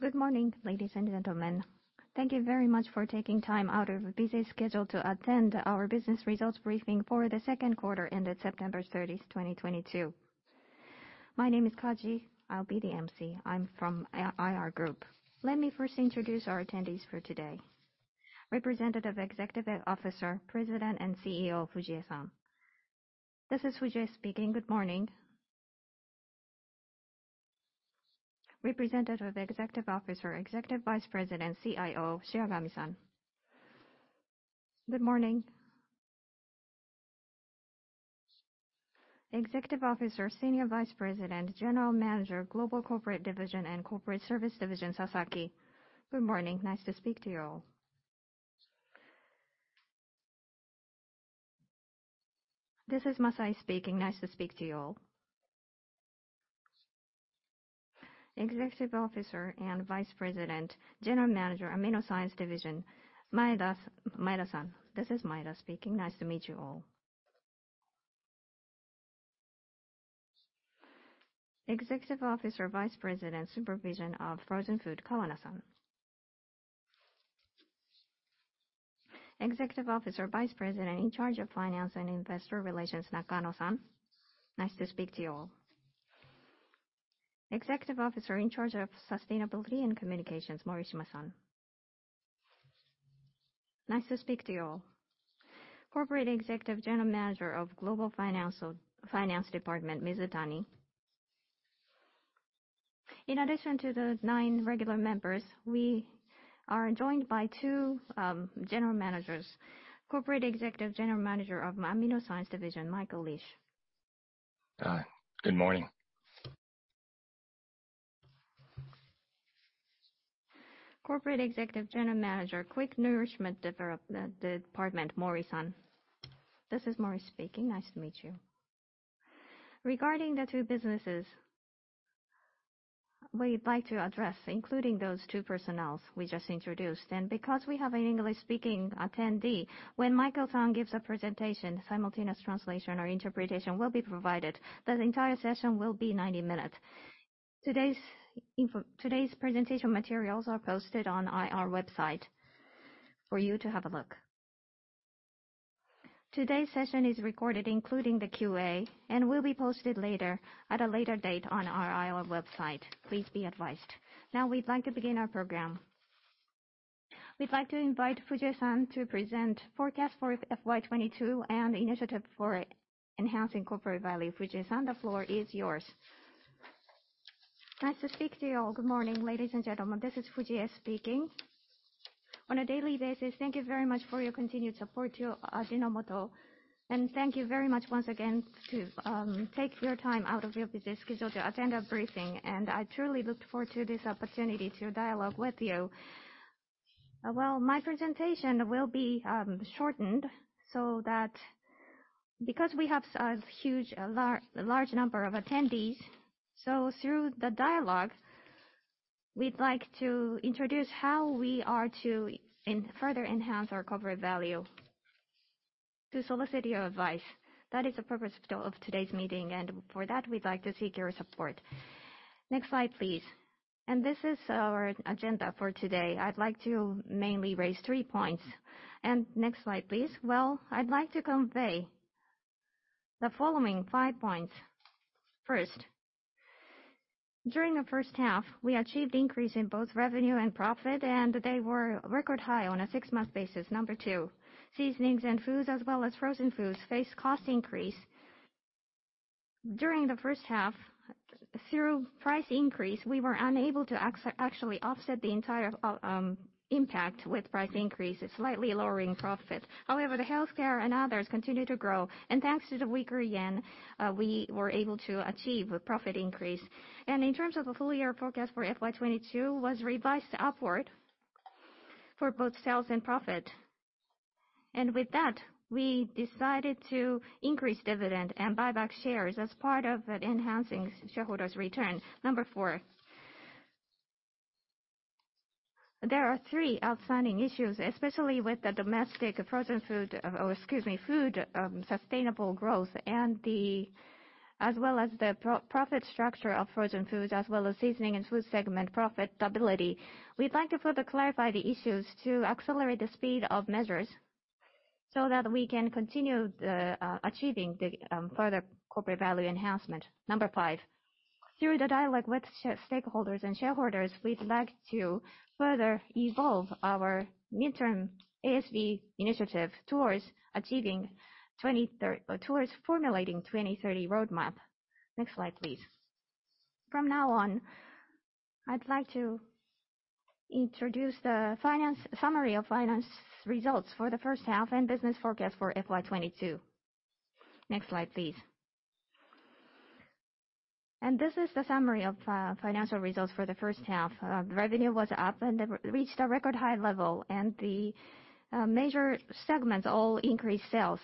Good morning, ladies and gentlemen. Thank you very much for taking time out of a busy schedule to attend our business results briefing for the second quarter ending September 30th, 2022. My name is Kaji. I will be the emcee. I am from IR Group. Let me first introduce our attendees for today. Representative Executive Officer, President, and CEO, Fujie-san. This is Fujie speaking. Good morning. Representative Executive Officer, Executive Vice President, CIO, Shiragami-san. Good morning. Executive Officer, Senior Vice President, General Manager, Global Corporate Division and Corporate Service Division, Sasaki. Good morning. Nice to speak to you all. This is Masai speaking. Nice to speak to you all. Executive Officer and Vice President, General Manager, Amino Science Division, Maeda-san. This is Maeda speaking. Nice to meet you all. Executive Officer, Vice President, Supervision of Frozen Food, Kawana-san. Executive Officer, Vice President in charge of Finance and Investor Relations, Nakano-san. Nice to speak to you all. Executive Officer in charge of Sustainability and Communications, Morishima-san. Nice to speak to you all. Corporate Executive, General Manager of Global Finance Department, Mizutani. In addition to the nine regular members, we are joined by two general managers. Corporate Executive General Manager of Amino Science Division, Michael Lish. Hi, good morning. Corporate Executive General Manager, Quick Nourishment Department, Mori-san. This is Mori speaking. Nice to meet you. Regarding the two businesses we would like to address, including those two personnels we just introduced, and because we have an English-speaking attendee, when Michael-san gives a presentation, simultaneous translation or interpretation will be provided. The entire session will be 90 minutes. Today's presentation materials are posted on IR website for you to have a look. Today's session is recorded, including the QA, and will be posted at a later date on our IR website. Please be advised. Now we would like to begin our program. We would like to invite Fujie-san to present forecast for FY 2022 and initiative for enhancing corporate value. Fujie-san, the floor is yours. Nice to speak to you all. Good morning, ladies and gentlemen. This is Fujie speaking. On a daily basis, thank you very much for your continued support to Ajinomoto, thank you very much once again to take your time out of your busy schedule to attend our briefing. I truly look forward to this opportunity to dialogue with you. Well, my presentation will be shortened because we have such a large number of attendees. Through the dialogue, we'd like to introduce how we are to further enhance our corporate value to solicit your advice. That is the purpose of today's meeting, and for that, we'd like to seek your support. Next slide, please. This is our agenda for today. I'd like to mainly raise three points. Next slide, please. Well, I'd like to convey the following five points. First, during the first half, we achieved increase in both revenue and profit, and they were record high on a six-month basis. Number two, seasonings and foods as well as frozen foods faced cost increase. During the first half, through price increase, we were unable to actually offset the entire impact with price increase, slightly lowering profit. However, the healthcare and others continued to grow, and thanks to the weaker yen, we were able to achieve a profit increase. In terms of a full-year forecast for FY 2022, was revised upward for both sales and profit. With that, we decided to increase dividend and buy back shares as part of enhancing shareholders' returns. Number four, there are three outstanding issues, especially with the domestic food sustainable growth as well as the profit structure of frozen food, as well as seasoning and food segment profitability. We'd like to further clarify the issues to accelerate the speed of measures so that we can continue achieving the further corporate value enhancement. Number five, through the dialogue with stakeholders and shareholders, we'd like to further evolve our MTP ASV initiative towards formulating 2030 roadmap. Next slide, please. From now on, I'd like to introduce the summary of finance results for the first half and business forecast for FY 2022. Next slide, please. This is the summary of financial results for the first half. Revenue was up and reached a record high level, and the major segments all increased sales.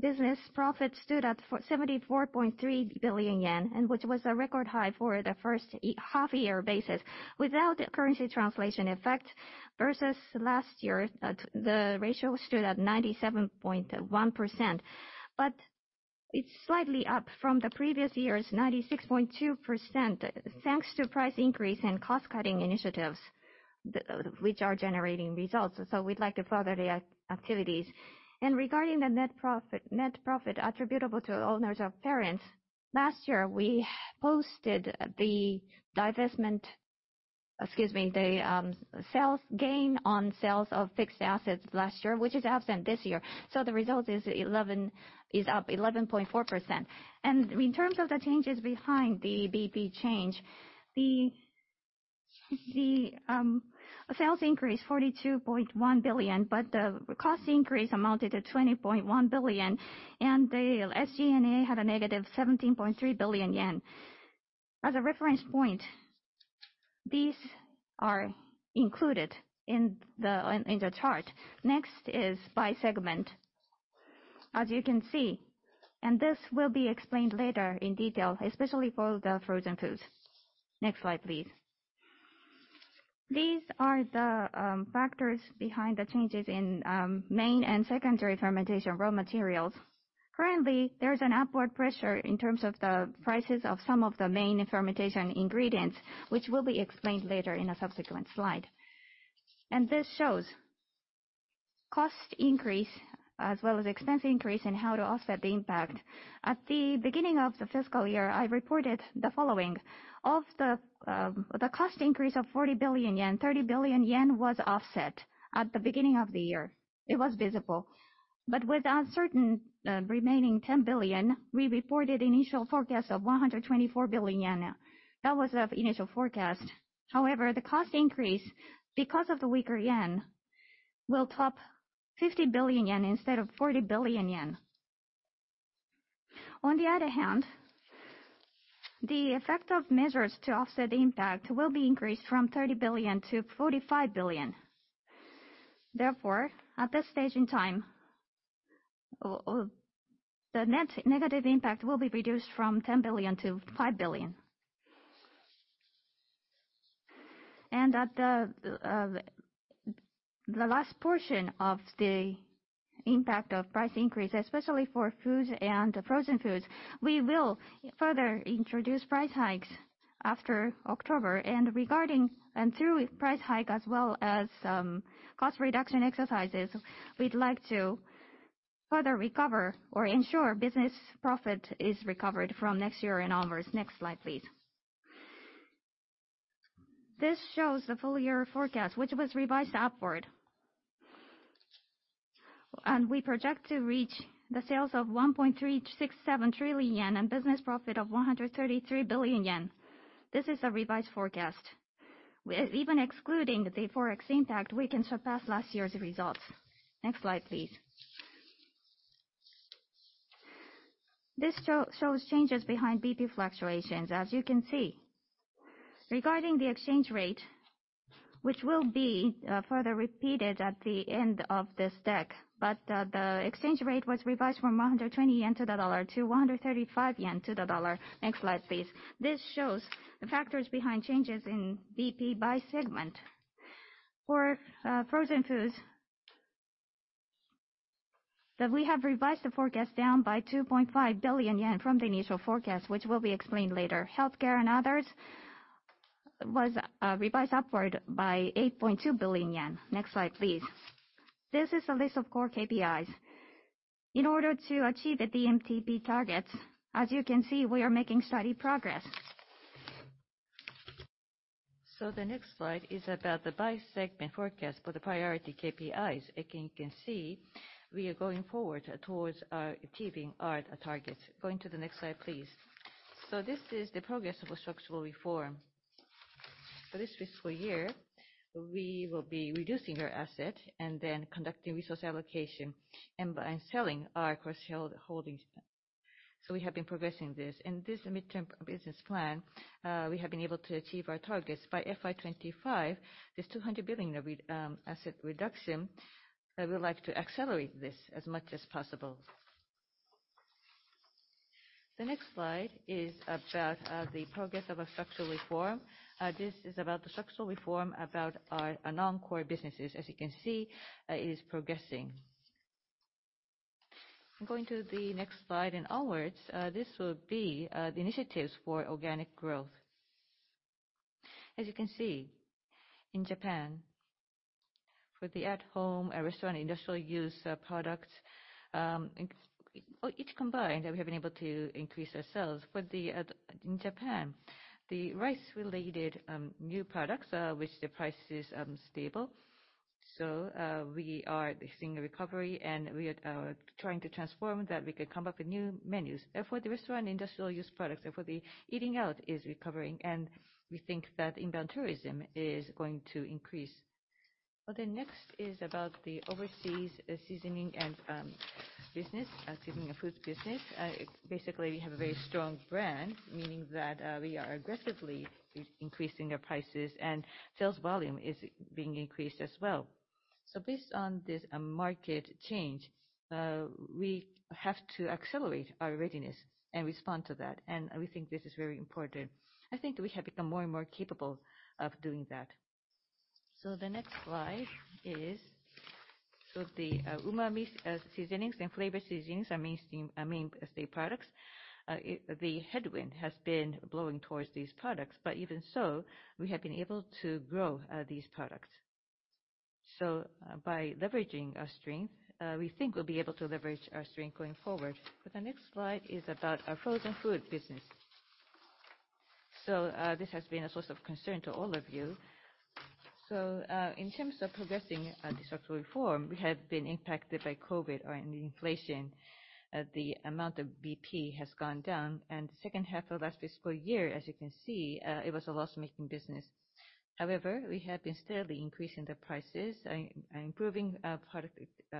Business profit stood at 74.3 billion yen, which was a record high for the first half-year basis. Without currency translation effect versus last year, the ratio stood at 97.1%. It's slightly up from the previous year's 96.2%, thanks to price increase and cost-cutting initiatives, which are generating results. We'd like to further the activities. Regarding the net profit attributable to owners of parents, last year, we posted the divestment, excuse me, the gain on sales of fixed assets last year, which is absent this year. The result is up 11.4%. In terms of the changes behind the BP change, the sales increase 42.1 billion, but the cost increase amounted to 20.1 billion, and the SG&A had a negative 17.3 billion yen. As a reference point, these are included in the chart. Next is by segment. As you can see, and this will be explained later in detail, especially for the frozen foods. Next slide, please. These are the factors behind the changes in main and secondary fermentation raw materials. Currently, there's an upward pressure in terms of the prices of some of the main fermentation ingredients, which will be explained later in a subsequent slide. This shows cost increase as well as expense increase and how to offset the impact. At the beginning of the fiscal year, I reported the following. Of the cost increase of 40 billion yen, 30 billion yen was offset at the beginning of the year. It was visible. With uncertain remaining 10 billion, we reported initial forecast of 124 billion yen. That was the initial forecast. However, the cost increase, because of the weaker yen, will top 50 billion yen instead of 40 billion yen. On the other hand, the effect of measures to offset the impact will be increased from 30 billion to 45 billion. Therefore, at this stage in time, the net negative impact will be reduced from 10 billion to 5 billion. At the last portion of the impact of price increase, especially for foods and frozen foods, we will further introduce price hikes after October. Through price hike as well as cost reduction exercises, we would like to further recover or ensure business profit is recovered from next year onwards. Next slide, please. This shows the full year forecast, which was revised upward. We project to reach the sales of 1.367 trillion yen and business profit of 133 billion yen. This is a revised forecast. Even excluding the Forex impact, we can surpass last year's results. Next slide, please. This shows changes behind BP fluctuations. As you can see, regarding the exchange rate, which will be further repeated at the end of this deck, the exchange rate was revised from 120 yen to the USD to JPY 135 to the USD. Next slide, please. This shows the factors behind changes in BP by segment. For frozen foods, we have revised the forecast down by 2.5 billion yen from the initial forecast, which will be explained later. Healthcare and others was revised upward by 8.2 billion yen. Next slide, please. This is a list of core KPIs. In order to achieve the MTP targets, as you can see, we are making steady progress. The next slide is about the by segment forecast for the priority KPIs. As you can see, we are going forward towards achieving our targets. Going to the next slide, please. This is the progress of structural reform. For this fiscal year, we will be reducing our asset and then conducting resource allocation and by selling our cross-held holdings. We have been progressing this. In this midterm business plan, we have been able to achieve our targets. By FY 2025, this 200 billion of asset reduction, I would like to accelerate this as much as possible. The next slide is about the progress of our structural reform. This is about the structural reform about our non-core businesses. As you can see, it is progressing. Going to the next slide and onwards, this will be the initiatives for organic growth. As you can see, in Japan, for the at home, restaurant, industrial use products, each combined, we have been able to increase our sales. In Japan, the rice-related new products, which the price is stable. We are seeing a recovery, and we are trying to transform that we could come up with new menus. Therefore, the restaurant and industrial use products for the eating out is recovering, and we think that inbound tourism is going to increase. The next is about the overseas seasoning and foods business. Basically, we have a very strong brand, meaning that we are aggressively increasing our prices and sales volume is being increased as well. Based on this market change, we have to accelerate our readiness and respond to that, and we think this is very important. I think we have become more and more capable of doing that. The next slide is the umami seasonings and flavor seasonings, our mainstay products. The headwind has been blowing towards these products, but even so, we have been able to grow these products. By leveraging our strength, we think we'll be able to leverage our strength going forward. The next slide is about our frozen food business. This has been a source of concern to all of you. In terms of progressing the structural reform, we have been impacted by COVID and inflation. The amount of BP has gone down, and the second half of last fiscal year, as you can see, it was a loss-making business. However, we have been steadily increasing the prices and improving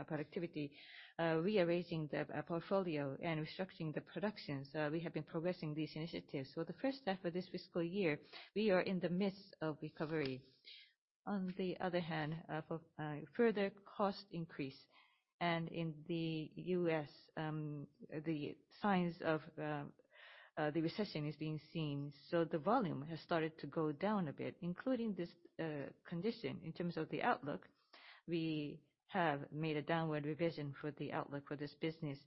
productivity. We are raising the portfolio and restructuring the production. We have been progressing these initiatives. The first half of this fiscal year, we are in the midst of recovery. On the other hand, further cost increase, and in the U.S., the signs of the recession is being seen. The volume has started to go down a bit, including this condition. In terms of the outlook, we have made a downward revision for the outlook for this business.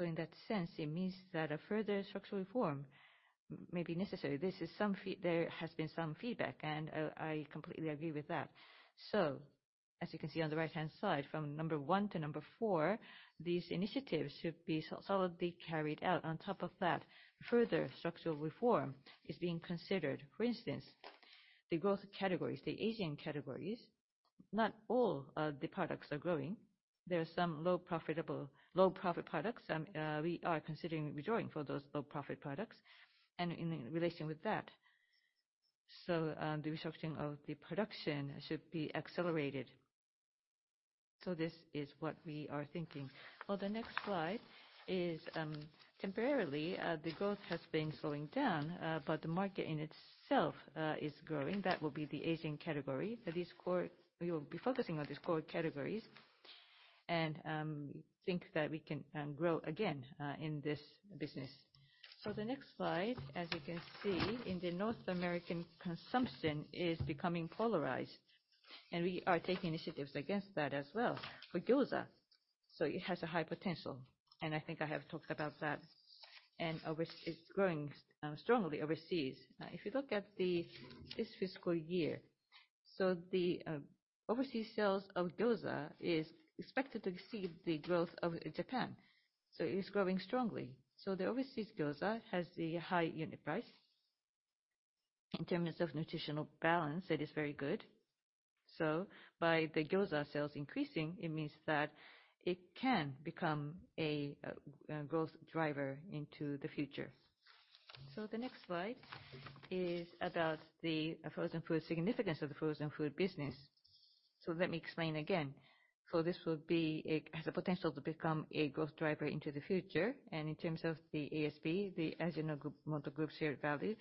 In that sense, it means that further structural reform may be necessary. There has been some feedback, and I completely agree with that. As you can see on the right-hand side, from number 1 to number 4, these initiatives should be solidly carried out. On top of that, further structural reform is being considered. For instance, the growth categories, the aging categories, not all of the products are growing. There are some low-profit products, and we are considering withdrawing from those low-profit products, and in relation with that. The restructuring of the production should be accelerated. This is what we are thinking. The next slide is temporarily the growth has been slowing down, but the market in itself is growing. That will be the aging category. We will be focusing on these core categories and think that we can grow again in this business. The next slide, as you can see, in the North American consumption is becoming polarized, and we are taking initiatives against that as well. For gyoza, it has a high potential, and I think I have talked about that, and it's growing strongly overseas. If you look at this fiscal year, the overseas sales of gyoza is expected to exceed the growth of Japan. It is growing strongly. The overseas gyoza has the high unit price. In terms of nutritional balance, it is very good. By the gyoza sales increasing, it means that it can become a growth driver into the future. The next slide is about the significance of the frozen food business. Let me explain again. This has the potential to become a growth driver into the future, and in terms of the ASV, the Ajinomoto Group shared value.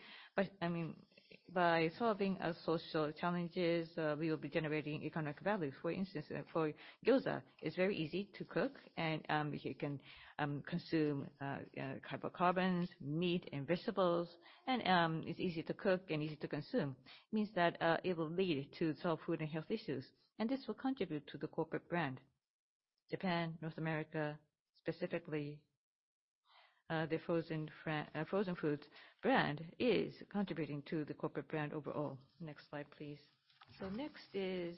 By solving our social challenges, we will be generating economic value. For instance, for gyoza, it's very easy to cook, and you can consume carbohydrates, meat, and vegetables. It's easy to cook and easy to consume. It means that it will lead to solve food and health issues. This will contribute to the corporate brand. Japan, North America, specifically, the frozen foods brand is contributing to the corporate brand overall. Next slide, please. Next is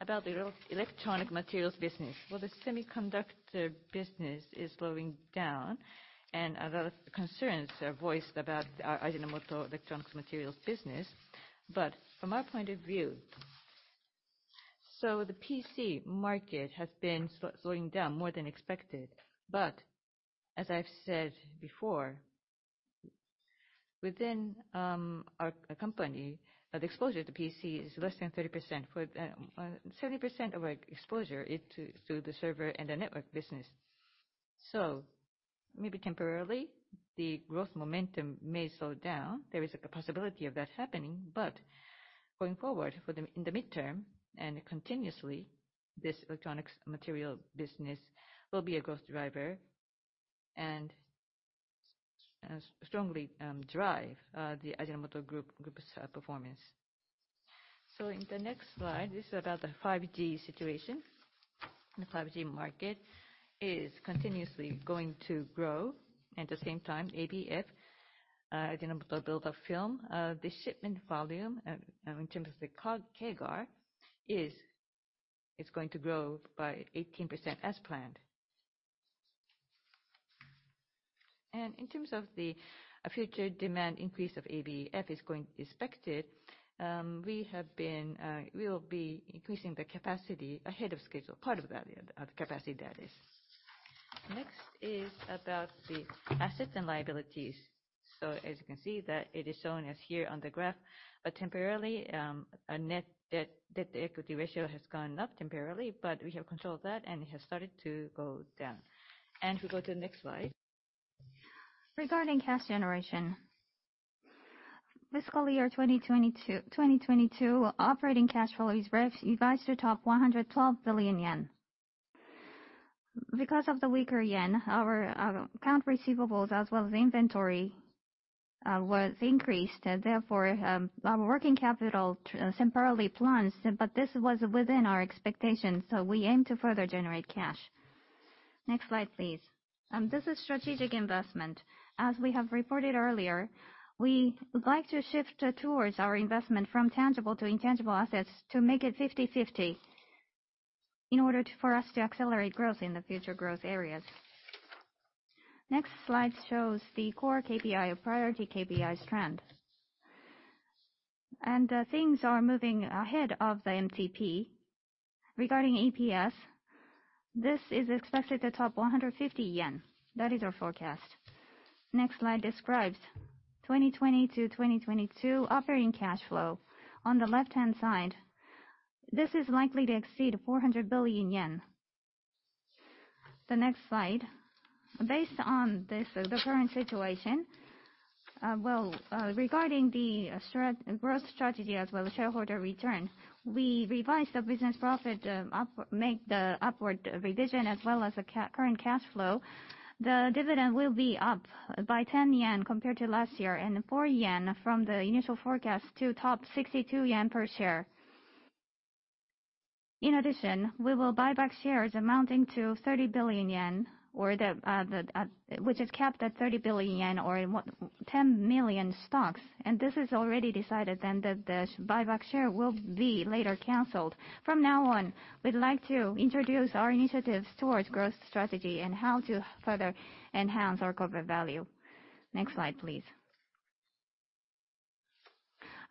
about the electronic materials business. Well, the semiconductor business is slowing down, and a lot of concerns are voiced about Ajinomoto electronic materials business. From our point of view, the PC market has been slowing down more than expected. As I've said before, within our company, the exposure to PC is less than 30%. 70% of our exposure is to the server and the network business. Maybe temporarily, the growth momentum may slow down. There is a possibility of that happening. Going forward in the mid-term and continuously, this electronics material business will be a growth driver and strongly drive the Ajinomoto Group's performance. In the next slide, this is about the 5G situation. The 5G market is continuously going to grow. At the same time, ABF, Ajinomoto Build-up Film, the shipment volume in terms of the CAGR, is going to grow by 18% as planned. In terms of the future demand increase of ABF is expected, we will be increasing the capacity ahead of schedule. Part of that capacity, that is. Next is about the assets and liabilities. As you can see that it is shown as here on the graph, temporarily, our net debt-to-equity ratio has gone up temporarily, but we have controlled that, and it has started to go down. If we go to the next slide. Regarding cash generation, fiscal year 2022 operating cash flow is revised to top 112 billion yen. Because of the weaker yen, our accounts receivable as well as inventory was increased. Therefore, our working capital temporarily plunged, but this was within our expectations, so we aim to further generate cash. Next slide, please. This is strategic investment. As we have reported earlier, we would like to shift towards our investment from tangible to intangible assets to make it 50/50 in order for us to accelerate growth in the future growth areas. Next slide shows the core KPI, priority KPI trend. Things are moving ahead of the MTP. Regarding EPS, this is expected to top 150 yen. That is our forecast. Next slide describes 2020 to 2022 operating cash flow. On the left-hand side, this is likely to exceed 400 billion yen. The next slide. Based on the current situation, regarding the growth strategy as well as shareholder return, we revised the business profit, make the upward revision as well as the current cash flow. The dividend will be up by 10 yen compared to last year and 4 yen from the initial forecast to top 62 yen per share. In addition, we will buy back shares amounting to 30 billion yen, which is capped at 30 billion yen or 10 million stocks. This is already decided that the buyback share will be later canceled. From now on, we'd like to introduce our initiatives towards growth strategy and how to further enhance our corporate value. Next slide, please.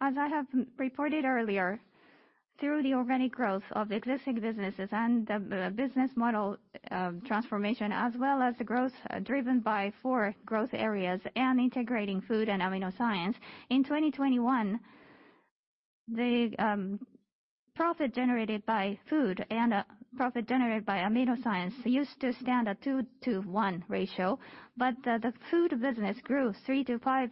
As I have reported earlier, through the organic growth of existing businesses and the business model transformation, as well as the growth driven by four growth areas and integrating food and amino science, in 2021, the profit generated by food and profit generated by amino science used to stand at a 2:1 ratio, but the food business grew 3%-5%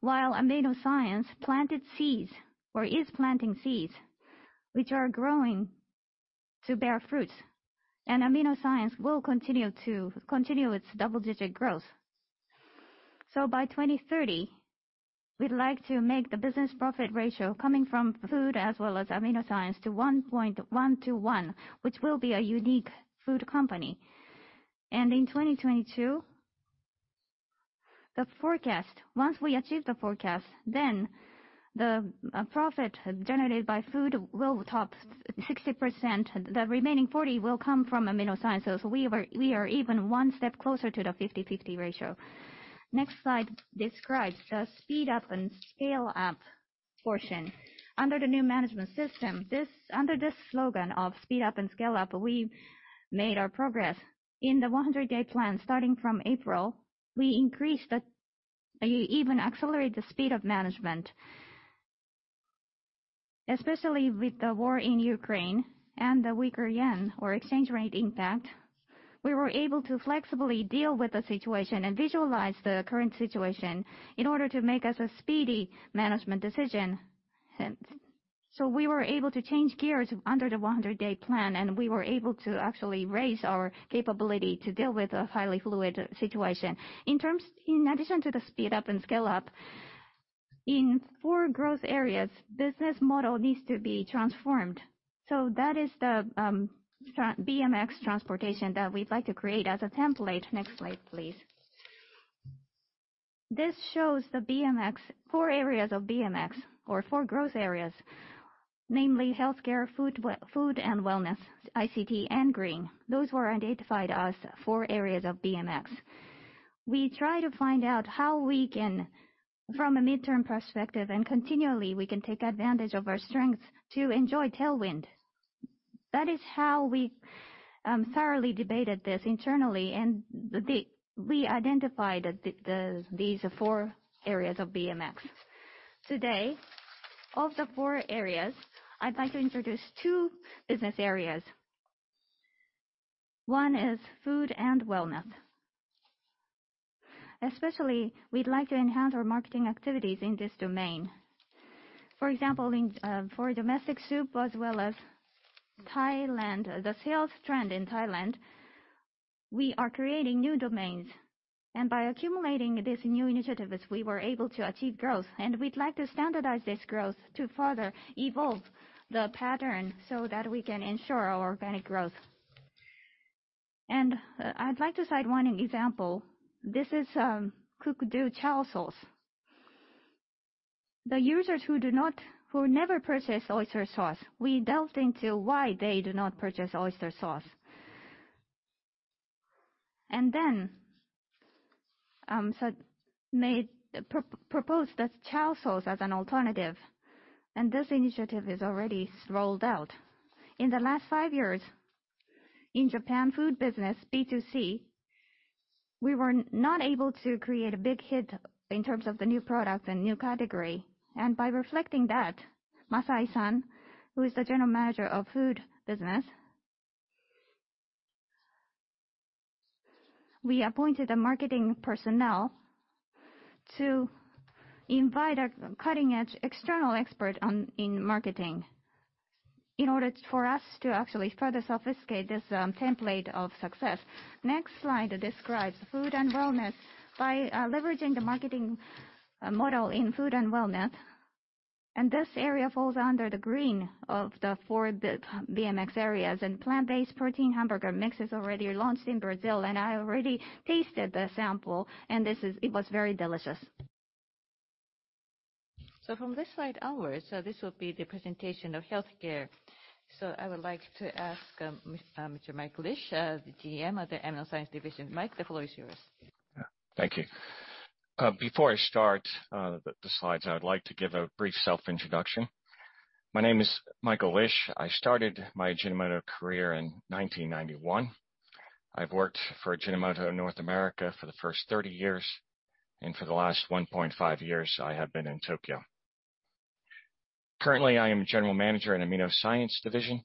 while amino science planted seeds or is planting seeds, which are growing to bear fruits. Amino science will continue its double-digit growth. By 2030, we'd like to make the business profit ratio coming from food as well as amino science to 1.1:1, which will be a unique food company. In 2022, the forecast, once we achieve the forecast, then the profit generated by food will top 60%. The remaining 40% will come from amino sciences. We are even one step closer to the 50/50 ratio. Next slide describes the speed up and scale up portion. Under the new management system, under this slogan of speed up and scale up, we made our progress. In the 100-day plan starting from April, we even accelerated the speed of management. Especially with the war in Ukraine and the weaker yen or exchange rate impact, we were able to flexibly deal with the situation and visualize the current situation in order to make a speedy management decision. We were able to change gears under the 100-day plan, and we were able to actually raise our capability to deal with a highly fluid situation. In addition to the speed up and scale up, in four growth areas, business model needs to be transformed. That is the BMX transformation that we'd like to create as a template. Next slide, please. This shows the four areas of BMX or four growth areas, namely healthcare, food and wellness, ICT, and green. Those were identified as four areas of BMX. We try to find out how we can, from a midterm perspective and continually, we can take advantage of our strengths to enjoy tailwind. That is how we thoroughly debated this internally, and we identified these four areas of BMX. Today, of the four areas, I'd like to introduce two business areas. One is food and wellness. Especially, we'd like to enhance our marketing activities in this domain. For example, for domestic soup as well as Thailand, the sales trend in Thailand, we are creating new domains. By accumulating these new initiatives, we were able to achieve growth, and we'd like to standardize this growth to further evolve the pattern so that we can ensure our organic growth. I'd like to cite one example. This is Cook Do Stir-Fry Sauce. The users who never purchased oyster sauce, we delved into why they do not purchase oyster sauce. Then proposed the chow sauce as an alternative, this initiative is already rolled out. In the last 5 years, in Japan food business, B2C, we were not able to create a big hit in terms of the new product and new category. By reflecting that, Masai San, who is the General Manager of food business We appointed a marketing personnel to invite a cutting-edge external expert in marketing in order for us to actually further sophisticate this template of success. Next slide describes food and wellness by leveraging the marketing model in food and wellness. This area falls under the green of the four BMX areas. Plant-based protein hamburger mix is already launched in Brazil, I already tasted the sample, it was very delicious. From this slide onwards, this will be the presentation of healthcare. I would like to ask Mr. Michael Lish, the GM of the Amino Science Division. Mike, the floor is yours. Thank you. Before I start the slides, I would like to give a brief self-introduction. My name is Michael Lish. I started my Ajinomoto career in 1991. I've worked for Ajinomoto North America for the first 30 years, for the last 1.5 years, I have been in Tokyo. Currently, I am General Manager in Amino Science Division.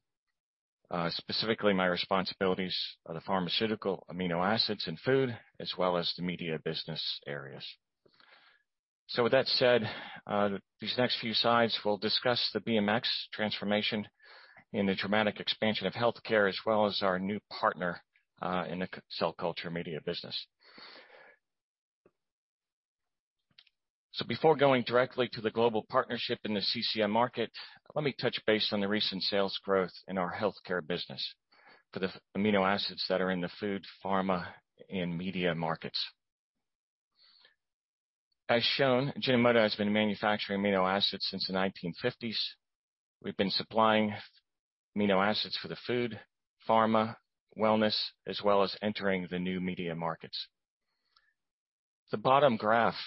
Specifically, my responsibilities are the pharmaceutical amino acids and food, as well as the media business areas. With that said, these next few slides will discuss the BMX transformation and the dramatic expansion of healthcare, as well as our new partner, in the cell culture media business. Before going directly to the global partnership in the CCM market, let me touch base on the recent sales growth in our healthcare business for the amino acids that are in the food, pharma, and media markets. As shown, Ajinomoto has been manufacturing amino acids since the 1950s. We've been supplying amino acids for the food, pharma, wellness, as well as entering the new media markets. The bottom graph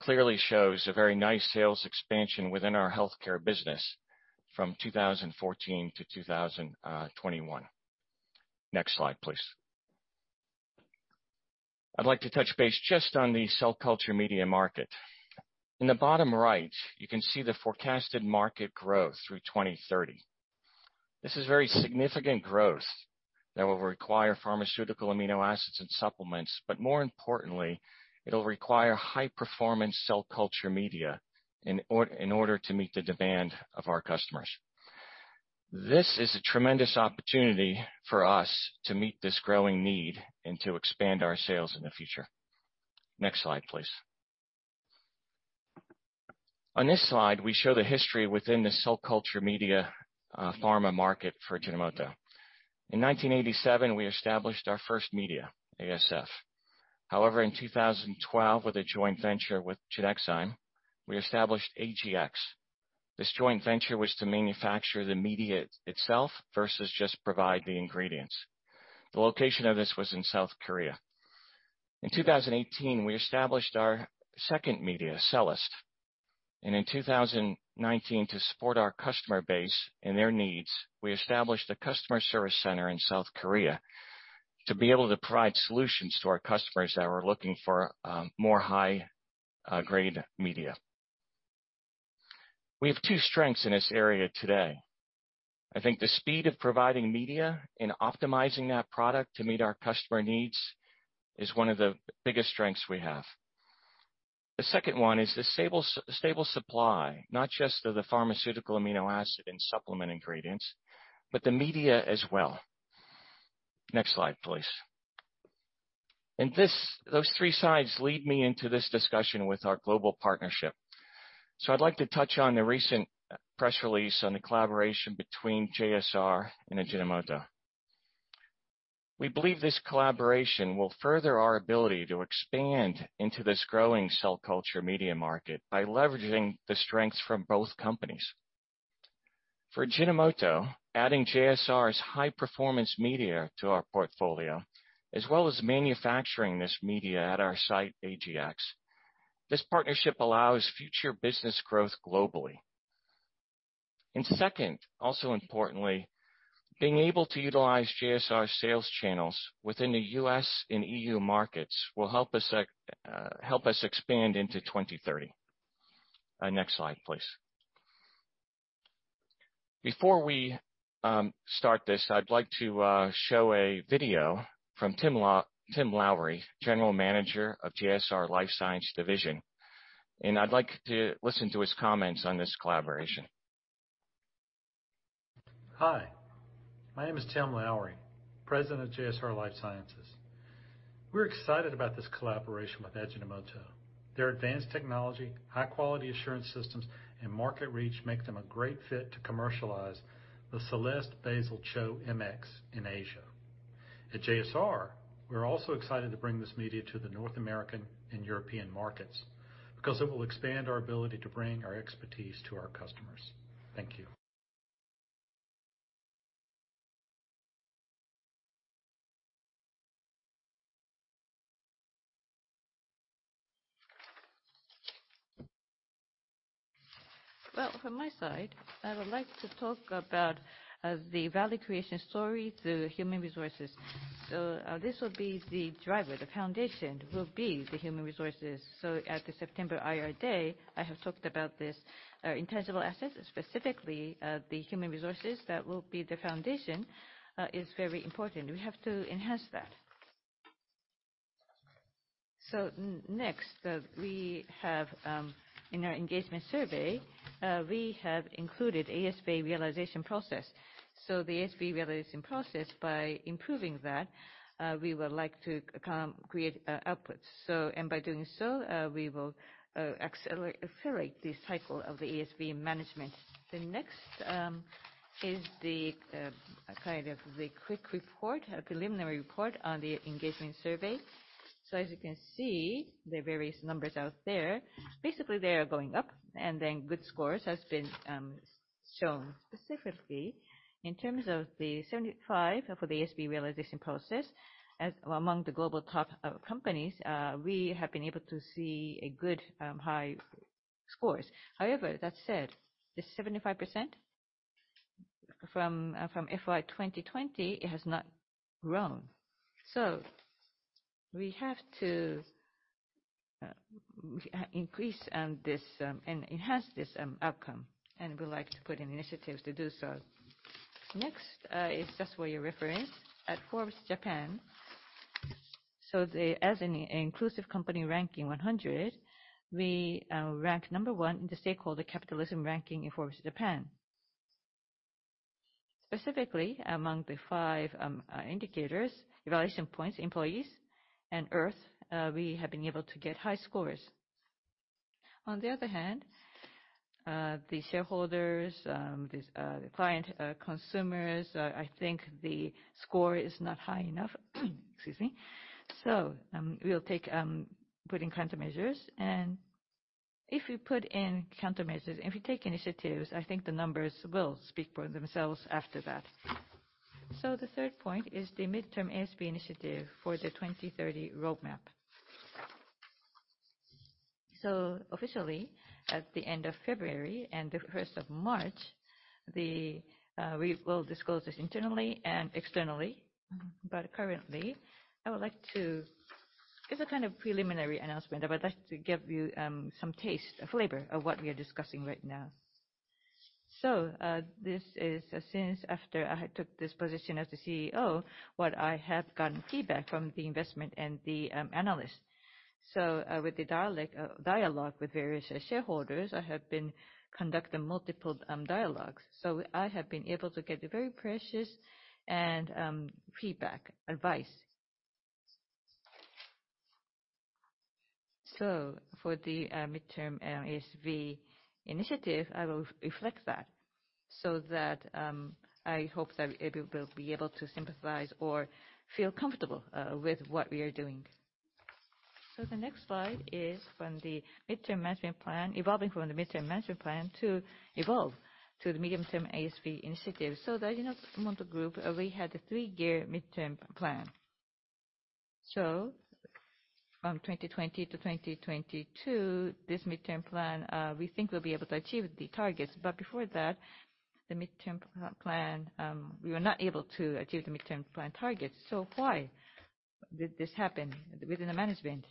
clearly shows a very nice sales expansion within our healthcare business from 2014 to 2021. Next slide, please. I'd like to touch base just on the cell culture media market. In the bottom right, you can see the forecasted market growth through 2030. This is very significant growth that will require pharmaceutical amino acids and supplements, but more importantly, it'll require high-performance cell culture media in order to meet the demand of our customers. This is a tremendous opportunity for us to meet this growing need and to expand our sales in the future. Next slide, please. On this slide, we show the history within the cell culture media pharma market for Ajinomoto. In 1987, we established our first media, ASF. However, in 2012, with a joint venture with Genexine, we established AGX. This joint venture was to manufacture the media itself versus just provide the ingredients. The location of this was in South Korea. In 2018, we established our second media, CELLiST. In 2019, to support our customer base and their needs, we established a customer service center in South Korea to be able to provide solutions to our customers that were looking for more high-grade media. We have two strengths in this area today. I think the speed of providing media and optimizing that product to meet our customer needs is one of the biggest strengths we have. The second one is the stable supply, not just of the pharmaceutical amino acid and supplement ingredients, but the media as well. Next slide, please. Those three sides lead me into this discussion with our global partnership. I'd like to touch on the recent press release on the collaboration between JSR and Ajinomoto. We believe this collaboration will further our ability to expand into this growing cell culture media market by leveraging the strengths from both companies. For Ajinomoto, adding JSR's high-performance media to our portfolio, as well as manufacturing this media at our site, AGX, this partnership allows future business growth globally. Second, also importantly, being able to utilize JSR sales channels within the U.S. and E.U. markets will help us expand into 2030. Next slide, please. Before we start this, I'd like to show a video from Tim Lowerey, General Manager of JSR Life Sciences Division, and I'd like to listen to his comments on this collaboration. Hi, my name is Tim Lowerey, President of JSR Life Sciences. We're excited about this collaboration with Ajinomoto. Their advanced technology, high-quality assurance systems, and market reach make them a great fit to commercialize the CELLiST BASAL CHO MX in Asia. At JSR, we're also excited to bring this media to the North American and European markets because it will expand our ability to bring our expertise to our customers. Thank you. Well, from my side, I would like to talk about the value creation story through human resources. This will be the driver. The foundation will be the human resources. At the September IR day, I have talked about this. Intangible assets, specifically, the human resources, that will be the foundation, is very important. We have to enhance that. Next, in our engagement survey, we have included ASV Realization Process. The ASV Realization Process, by improving that, we would like to create outputs. By doing so, we will accelerate the cycle of the ASV Management. The next is the quick report, a preliminary report on the engagement survey. As you can see, the various numbers out there, basically, they are going up, and then good scores have been shown. Specifically, in terms of the 75% for the ASV realization process, among the global top companies, we have been able to see good, high scores. However, that said, this 75% from FY 2020, it has not grown. We have to increase and enhance this outcome, and we'd like to put in initiatives to do so. Next is just what you're referring, at Forbes JAPAN. As an inclusive company ranking 100, we ranked number one in the stakeholder capitalism ranking in Forbes JAPAN. Specifically, among the five indicators, evaluation points, employees, and earth, we have been able to get high scores. On the other hand, the shareholders, the clients, consumers, I think the score is not high enough. Excuse me. We'll put in countermeasures, and if we put in countermeasures, if we take initiatives, I think the numbers will speak for themselves after that. The third point is the Medium-Term ASV initiative for the 2030 roadmap. Officially, at the end of February and the 1st of March, we will disclose this internally and externally. Currently, it's a kind of preliminary announcement, I would like to give you some taste, a flavor of what we are discussing right now. This is since after I took this position as the CEO, what I have gotten feedback from the investors and the analysts. With the dialogue with various shareholders, I have been conducting multiple dialogues. I have been able to get very precious feedback, advice. For the Medium-Term ASV initiative, I will reflect that so that I hope that everybody will be able to sympathize or feel comfortable with what we are doing. The next slide is from the Medium-Term Management Plan, evolving from the Medium-Term Management Plan to evolve to the Medium-Term ASV initiative. The Ajinomoto Group already had a 3-year Medium-Term Plan. From 2020 to 2022, this Medium-Term Plan, we think we'll be able to achieve the targets. Before that, we were not able to achieve the Medium-Term Plan targets. Why did this happen? Within the management,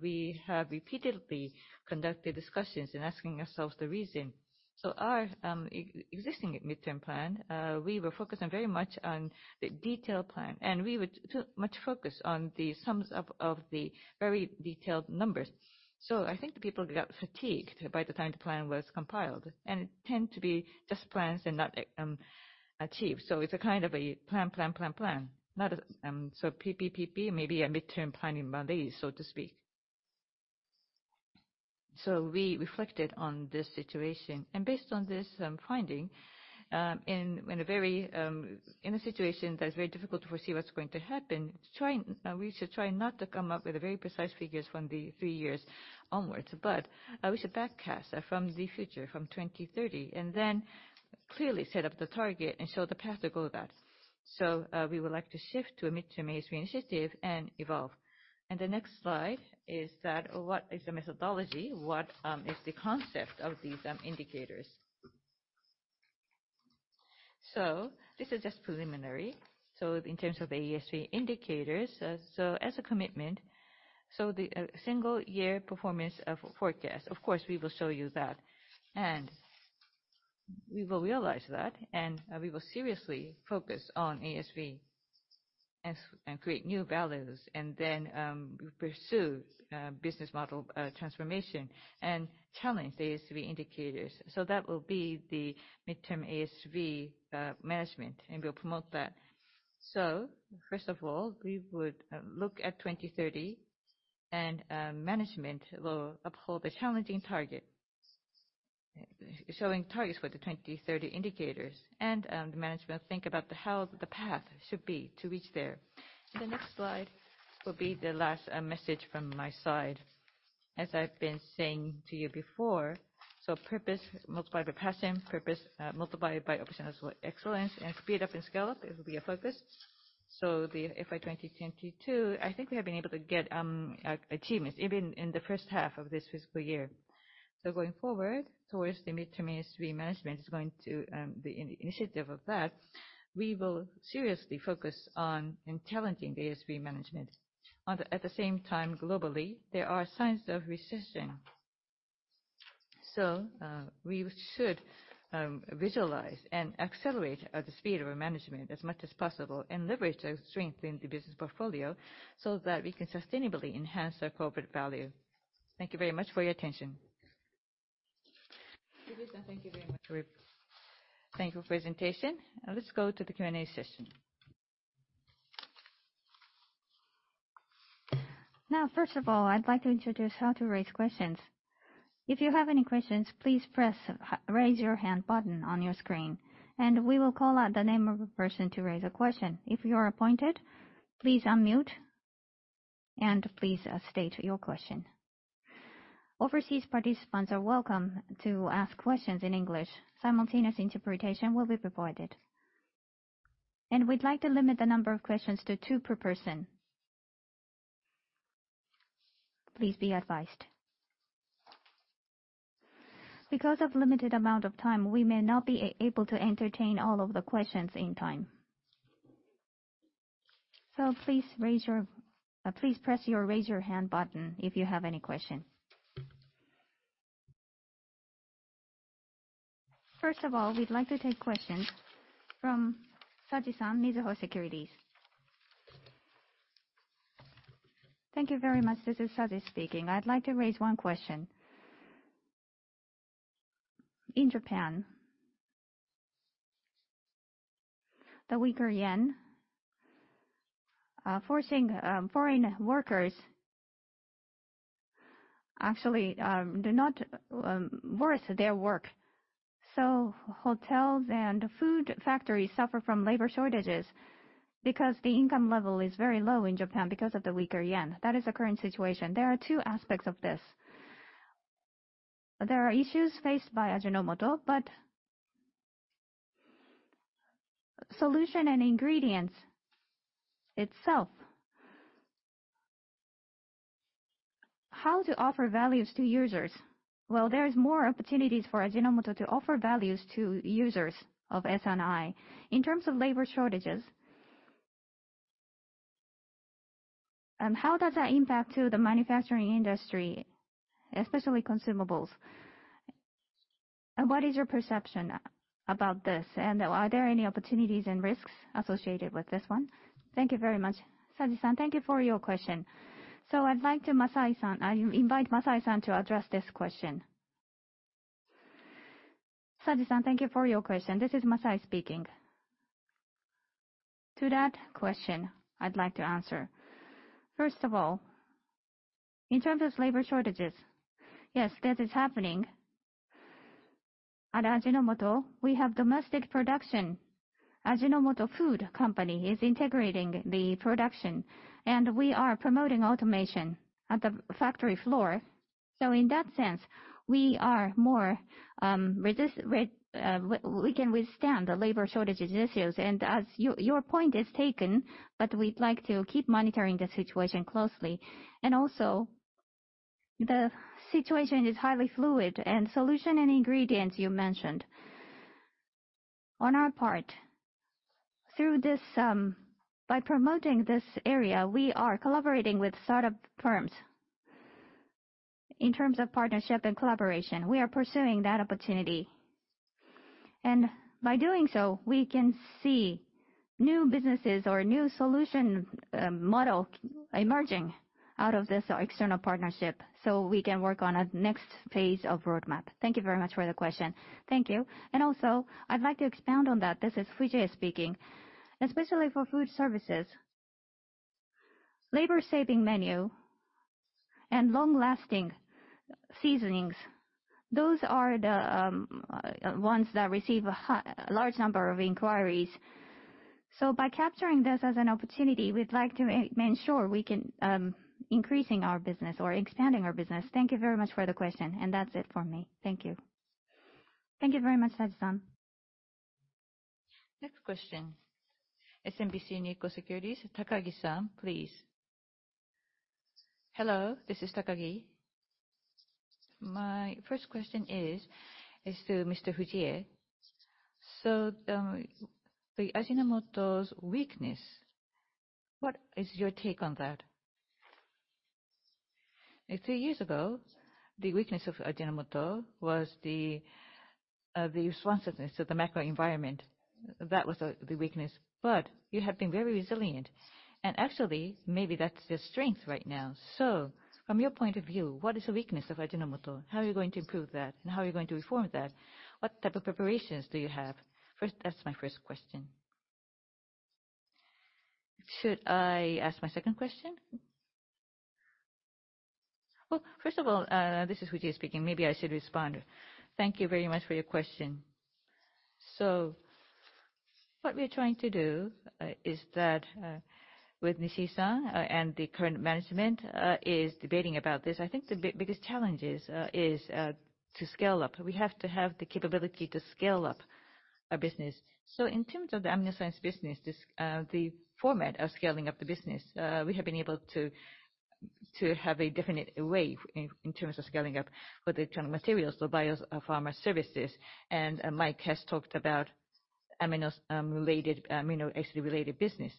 we have repeatedly conducted discussions and asking ourselves the reason. Our existing Medium-Term Plan, we were focusing very much on the detailed plan, and we were too much focused on the sums of the very detailed numbers. I think the people got fatigued by the time the plan was compiled, and it tend to be just plans and not achieved. It's a kind of a plan, plan. PPPP, maybe a Medium-Term planning malaise, so to speak. We reflected on this situation, and based on this finding, in a situation that is very difficult to foresee what's going to happen, we should try not to come up with very precise figures from the 3 years onwards. We should back cast from the future, from 2030, and then clearly set up the target and show the path to go about it. We would like to shift to a Medium-Term ASV initiative and evolve. The next slide is that what is the methodology? What is the concept of these indicators? This is just preliminary. In terms of ASV indicators, as a commitment, the single year performance forecast, of course, we will show you that, and we will realize that, we will seriously focus on ASV and create new values, then pursue Business Model Transformation and challenge the ASV indicators. That will be the midterm ASV management, and we'll promote that. First of all, we would look at 2030, management will uphold the challenging target, showing targets for the 2030 indicators, management think about the how the path should be to reach there. The next slide will be the last message from my side. As I've been saying to you before, purpose multiplied by passion, purpose multiplied by operational excellence, and speed up and scale up, it will be our focus. The FY 2022, I think we have been able to get achievements even in the first half of this fiscal year. Going forward towards the midterm ASV management, the initiative of that, we will seriously focus on challenging the ASV management. At the same time, globally, there are signs of recession. We should visualize and accelerate the speed of our management as much as possible, leverage our strength in the business portfolio so that we can sustainably enhance our corporate value. Thank you very much for your attention. Fujie, thank you very much. Thank you for presentation. Let's go to the Q&A session. First of all, I'd like to introduce how to raise questions. If you have any questions, please press Raise Your Hand button on your screen, we will call out the name of a person to raise a question. If you are appointed, please unmute, please state your question. Overseas participants are welcome to ask questions in English. Simultaneous interpretation will be provided. We'd like to limit the number of questions to two per person. Please be advised. Because of limited amount of time, we may not be able to entertain all of the questions in time. Please press your Raise Your Hand button if you have any questions. First of all, we'd like to take questions from Saji-san, Mizuho Securities. Thank you very much. This is Saji speaking. I'd like to raise one question. In Japan, the weaker yen, forcing foreign workers actually do not worth their work. Hotels and food factories suffer from labor shortages because the income level is very low in Japan because of the weaker yen. That is the current situation. There are two aspects of this. There are issues faced by Ajinomoto, Solutions & Ingredients itself, how to offer values to users? There is more opportunities for Ajinomoto to offer values to users of S&I. In terms of labor shortages, how does that impact to the manufacturing industry, especially consumables? What is your perception about this? Are there any opportunities and risks associated with this one? Thank you very much. Saji-san, thank you for your question. I invite Masai-san to address this question. Saji-san, thank you for your question. This is Masai speaking. To that question, I'd like to answer. First of all, in terms of labor shortages, yes, that is happening. At Ajinomoto, we have domestic production. Ajinomoto Foods is integrating the production, and we are promoting automation at the factory floor. In that sense, we can withstand the labor shortages issues. Your point is taken, but we'd like to keep monitoring the situation closely. Also, the situation is highly fluid. Solutions & Ingredients you mentioned, on our part, by promoting this area, we are collaborating with startup firms. In terms of partnership and collaboration, we are pursuing that opportunity. By doing so, we can see new businesses or new solution model emerging out of this external partnership. We can work on a next phase of roadmap. Thank you very much for the question. Thank you. Also, I'd like to expound on that. This is Fujie speaking. Especially for food services, labor-saving menu and long-lasting seasonings, those are the ones that receive a large number of inquiries. By capturing this as an opportunity, we'd like to make sure we can increasing our business or expanding our business. Thank you very much for the question. That's it for me. Thank you. Thank you very much, Saji-san. Next question. SMBC Nikko Securities, Takagi-san, please. Hello, this is Takagi. My first question is to Mr. Fujie. Ajinomoto's weakness, what is your take on that? Three years ago, the weakness of Ajinomoto was the responsiveness to the macro environment. That was the weakness, but you have been very resilient. Actually, maybe that's the strength right now. From your point of view, what is the weakness of Ajinomoto? How are you going to improve that? How are you going to reform that? What type of preparations do you have? That's my first question. Should I ask my second question? First of all, this is Fujie speaking. Maybe I should respond. Thank you very much for your question. What we're trying to do is that with Nishii-san and the current management is debating about this. I think the biggest challenge is to scale up. We have to have the capability to scale up our business. In terms of the AminoScience Division business, the format of scaling up the business, we have been able to have a definite way in terms of scaling up for the internal materials or biopharma service. Mike has talked about Amino acid-related business.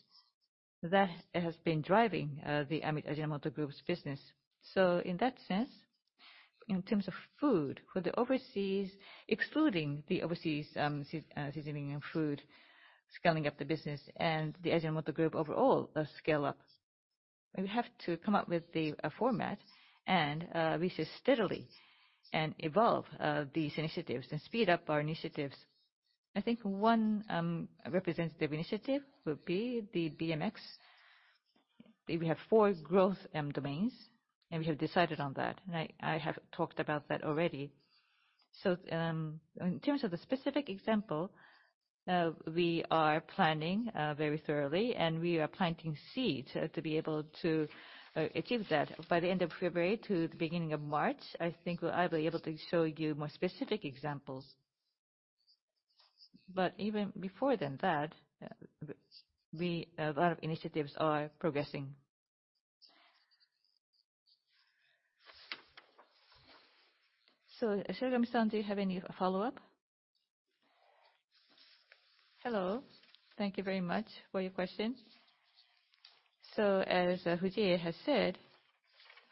That has been driving the Ajinomoto Group's business. In that sense, in terms of food for the overseas, excluding the overseas seasoning and food, scaling up the business and the Ajinomoto Group overall scale-up, we have to come up with the format and research steadily and evolve these initiatives and speed up our initiatives. I think one representative initiative will be the BMX. We have four growth domains, we have decided on that, I have talked about that already. In terms of the specific example, we are planning very thoroughly, we are planting seeds to be able to achieve that. By the end of February to the beginning of March, I think I'll be able to show you more specific examples. Even before then that, a lot of initiatives are progressing. Shiragami-san, do you have any follow-up? Hello. Thank you very much for your question. As Fujie has said,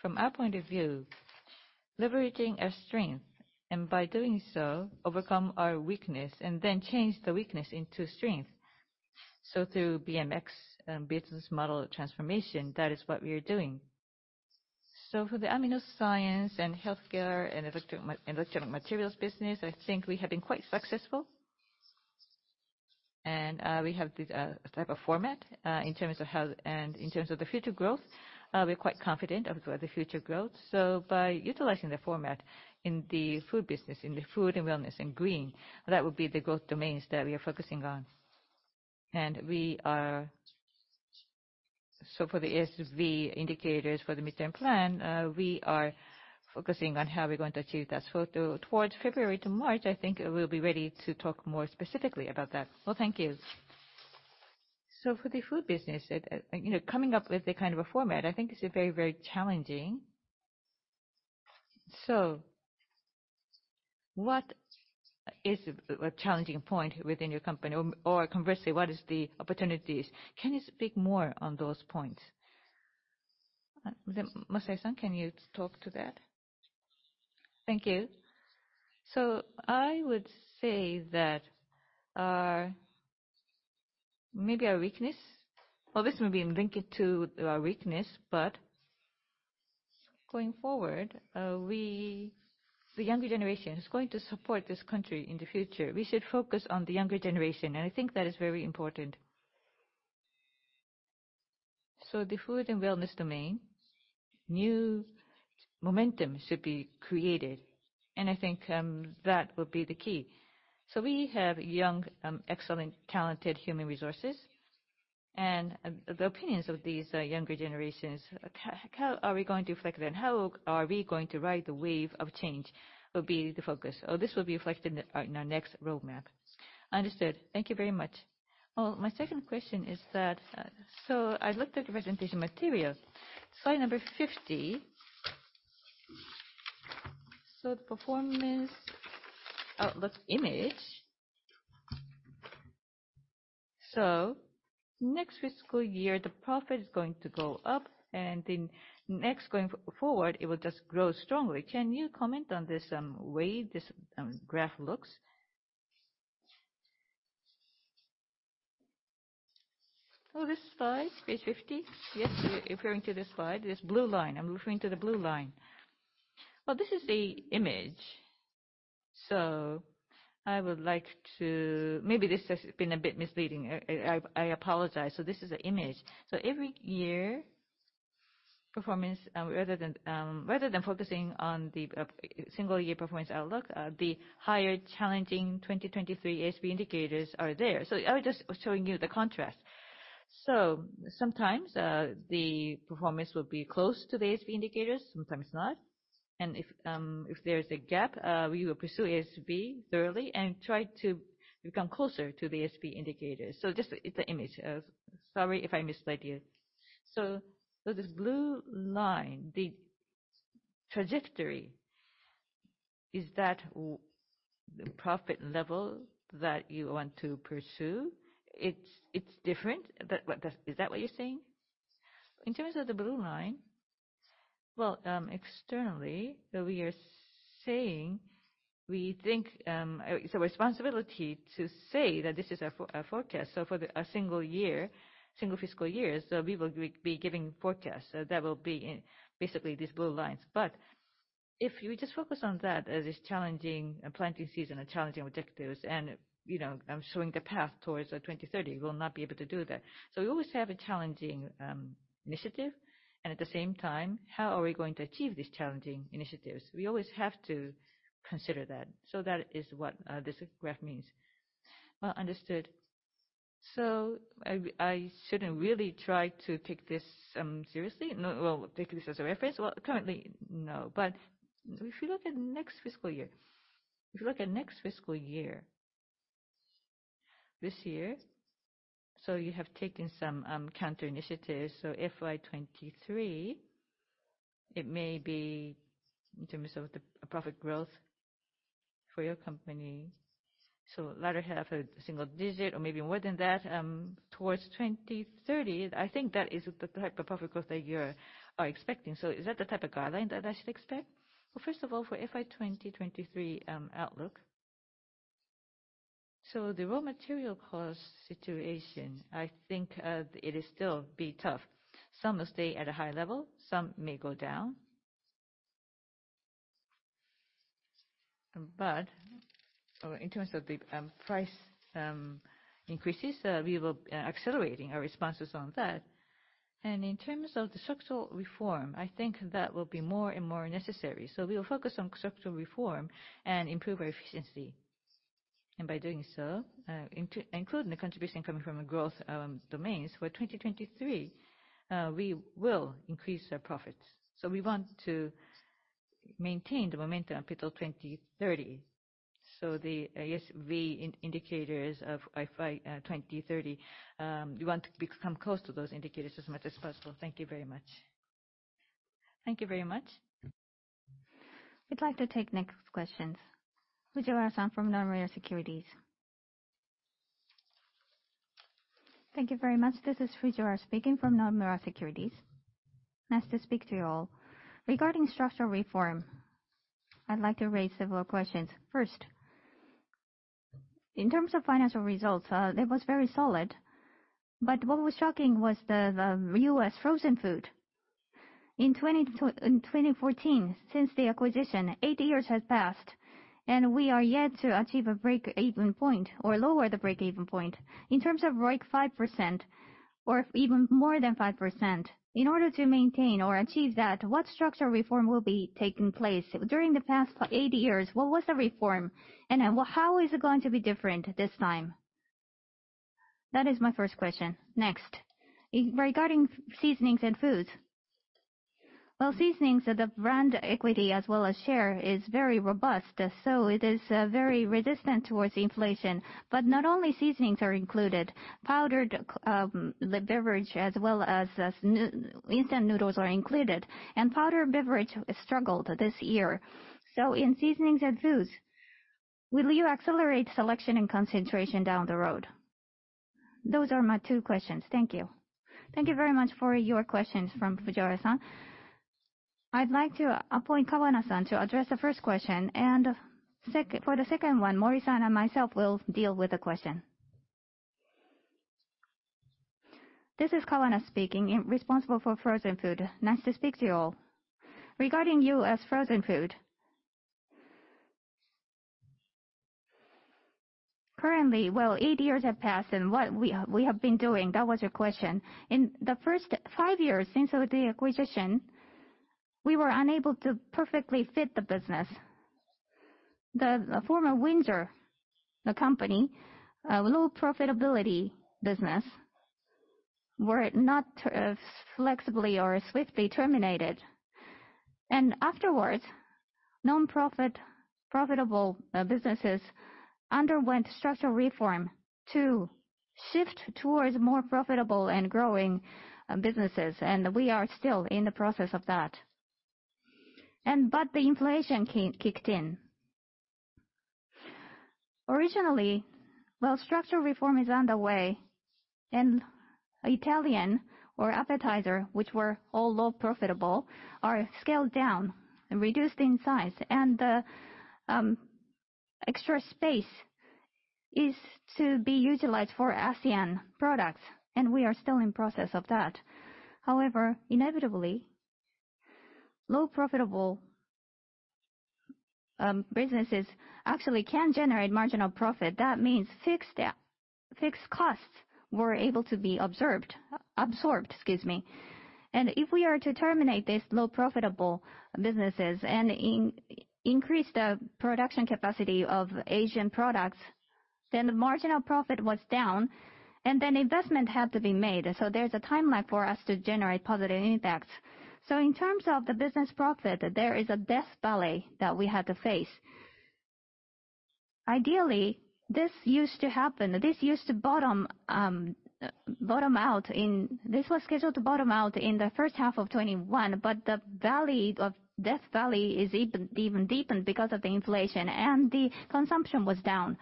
from our point of view, leveraging our strength, by doing so, overcome our weakness change the weakness into strength. Through BMX and business model transformation, that is what we are doing. For the Amino Science and healthcare and electronic materials business, I think we have been quite successful. We have this type of format in terms of health and in terms of the future growth. We're quite confident of the future growth. By utilizing the format in the food business, in the food and wellness and green, that would be the growth domains that we are focusing on. For the ASV indicators for the Midterm Plan, we are focusing on how we're going to achieve that. Towards February to March, I think we'll be ready to talk more specifically about that. Well, thank you. For the food business, coming up with a format I think is very challenging. What is a challenging point within your company? Conversely, what is the opportunities? Can you speak more on those points? Masai-san, can you talk to that? Thank you. I would say that maybe our weakness, this may be linked to a weakness, going forward, the younger generation is going to support this country in the future. We should focus on the younger generation, I think that is very important. The food and wellness domain, new momentum should be created, I think that will be the key. We have young, excellent, talented human resources, the opinions of these younger generations, how are we going to reflect that? How are we going to ride the wave of change will be the focus. This will be reflected in our next roadmap. Understood. Thank you very much. My second question is that, I looked at the presentation material, slide number 50. The performance outlook image. Next fiscal year, the profit is going to go up, next going forward, it will just grow strongly. Can you comment on this way this graph looks? Oh, this slide? Page 50. Yes, referring to this slide. This blue line. I'm referring to the blue line. Well, this is the image. Maybe this has been a bit misleading. I apologize. This is the image. Every year, rather than focusing on the single-year performance outlook, the higher challenging 2023 ASV indicators are there. I was just showing you the contrast. Sometimes, the performance will be close to the ASV indicators, sometimes not, and if there's a gap, we will pursue ASV thoroughly and try to become closer to the ASV indicators. Just it's an image. Sorry if I misled you. This blue line, the trajectory, is that the profit level that you want to pursue? It's different? Is that what you're saying? In terms of the blue line, well, externally, we are saying we think it's our responsibility to say that this is our forecast. For a single fiscal year, we will be giving forecasts. That will be basically these blue lines. If we just focus on that as challenging planting season and challenging objectives, and I'm showing the path towards 2030, we'll not be able to do that. We always have a challenging initiative, and at the same time, how are we going to achieve these challenging initiatives? We always have to consider that. That is what this graph means. Well, understood. I shouldn't really try to take this seriously? Well, take this as a reference? Well, currently, no. If you look at next fiscal year, this year, you have taken some counter initiatives. FY 2023 It may be in terms of the profit growth for your company. Latter half of the single-digit or maybe more than that towards 2030. I think that is the type of profit growth that you are expecting. Is that the type of guideline that I should expect? First of all, for FY 2023 outlook, the raw material cost situation, I think it is still be tough. Some will stay at a high level, some may go down. In terms of the price increases, we will be accelerating our responses on that. In terms of the structural reform, I think that will be more and more necessary. We will focus on structural reform and improve our efficiency. By doing so, including the contribution coming from a growth domains for 2023, we will increase our profits. We want to maintain the momentum up until 2030. The ASV indicators of FY 2030, we want to become close to those indicators as much as possible. Thank you very much. Thank you very much. We'd like to take next questions. Fujiwara-san from Nomura Securities. Thank you very much. This is Fujiwara speaking from Nomura Securities. Nice to speak to you all. Regarding structural reform, I'd like to raise several questions. In terms of financial results, it was very solid, but what was shocking was the U.S. frozen food. In 2014, since the acquisition, eight years has passed and we are yet to achieve a break-even point or lower the break-even point in terms of ROIC 5% or even more than 5%. In order to maintain or achieve that, what structural reform will be taking place? During the past eight years, what was the reform and how is it going to be different this time? That is my first question. Next, regarding seasonings and foods. While seasonings, the brand equity as well as share is very robust, so it is very resistant towards inflation. Not only seasonings are included, powdered beverage as well as instant noodles are included. Powdered beverage struggled this year. In seasonings and foods, will you accelerate selection and concentration down the road? Those are my two questions. Thank you. Thank you very much for your questions from Fujiwara-san. I'd like to appoint Kawana-san to address the first question and for the second one, Mori-san and myself will deal with the question. This is Kawana speaking, responsible for frozen food. Nice to speak to you all. Regarding U.S. frozen food, currently, while 8 years have passed and what we have been doing, that was your question. In the first 5 years since the acquisition, we were unable to perfectly fit the business. The former Windsor, the company, low profitability business, were not flexibly or swiftly terminated. Afterwards, nonprofit profitable businesses underwent structural reform to shift towards more profitable and growing businesses, and we are still in the process of that. The inflation kicked in. Originally, while structural reform is underway and Italian or appetizer, which were all low profitable, are scaled down, reduced in size, and the extra space is to be utilized for ASEAN products, and we are still in process of that. However, inevitably, low profitable businesses actually can generate marginal profit. That means fixed costs were able to be absorbed. If we are to terminate these low profitable businesses and increase the production capacity of Asian products, then the marginal profit was down, and then investment had to be made. There's a timeline for us to generate positive impacts. In terms of the business profit, there is a death valley that we had to face. Ideally, this was scheduled to bottom out in the first half of FY 2021, but the Death Valley is even deepened because of the inflation, and the consumption was down.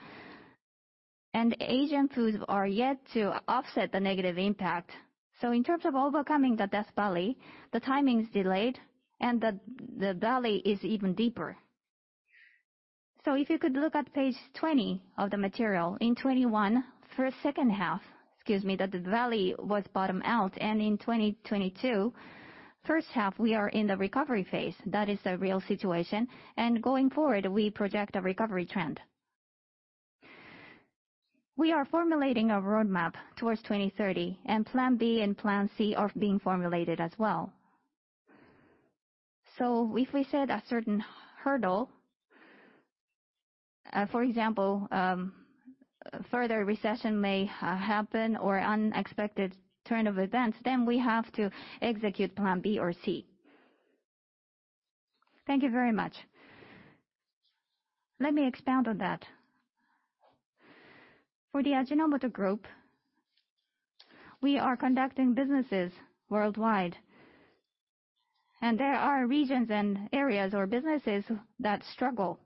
Asian foods are yet to offset the negative impact. In terms of overcoming the Death Valley, the timing's delayed and the valley is even deeper. If you could look at page 20 of the material, in FY 2021, for second half, the valley was bottom out. In 2022 first half, we are in the recovery phase. That is the real situation. Going forward, we project a recovery trend. We are formulating a roadmap towards 2030, and plan B and plan C are being formulated as well. If we set a certain hurdle, for example, further recession may happen or unexpected turn of events, then we have to execute plan B or C. Thank you very much. Let me expound on that. For the Ajinomoto group, we are conducting businesses worldwide, and there are regions and areas or businesses that struggle.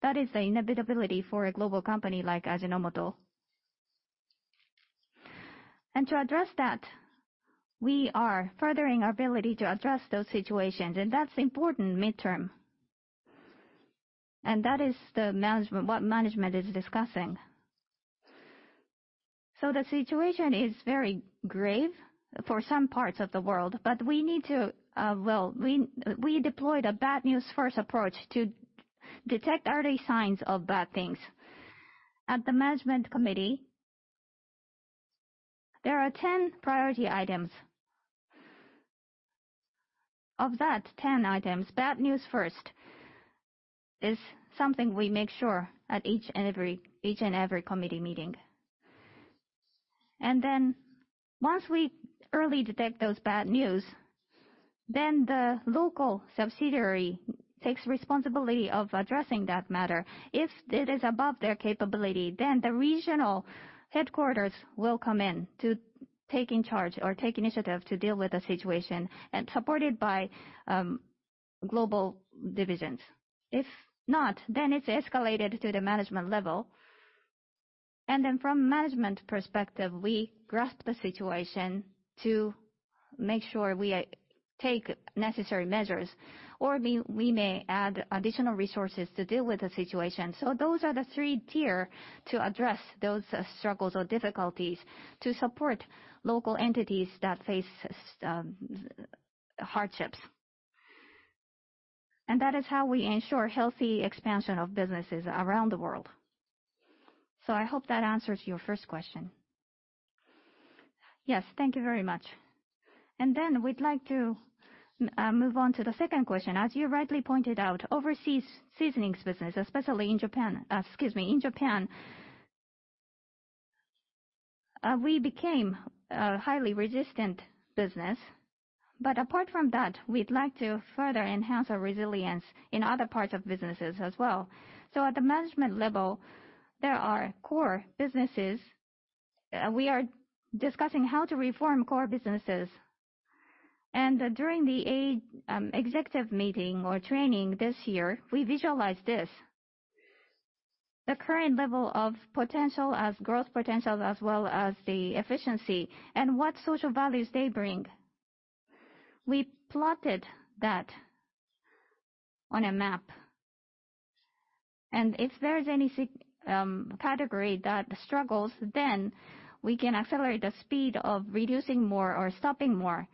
That is the inevitability for a global company like Ajinomoto. To address that, we are furthering our ability to address those situations, and that's important mid-term. That is what management is discussing. The situation is very grave for some parts of the world, but we deployed a bad news first approach to detect early signs of bad things. At the management committee, there are 10 priority items. Of that 10 items, bad news first is something we make sure at each and every committee meeting. Once we early detect those bad news, then the local subsidiary takes responsibility of addressing that matter. If it is above their capability, then the regional headquarters will come in to take charge or take initiative to deal with the situation and supported by global divisions. If not, then it is escalated to the management level. From management perspective, we grasp the situation to make sure we take necessary measures, or we may add additional resources to deal with the situation. Those are the 3 tier to address those struggles or difficulties to support local entities that face hardships. That is how we ensure healthy expansion of businesses around the world. I hope that answers your first question. Yes. Thank you very much. We would like to move on to the second question. As you rightly pointed out, overseas seasonings business, especially in Japan. Excuse me. In Japan, we became a highly resistant business. Apart from that, we would like to further enhance our resilience in other parts of businesses as well. At the management level, there are core businesses. We are discussing how to reform core businesses. During the executive meeting or training this year, we visualized this. The current level of potential as growth potential as well as the efficiency and what social values they bring. We plotted that on a map. If there is any category that struggles, then we can accelerate the speed of reducing more or stopping more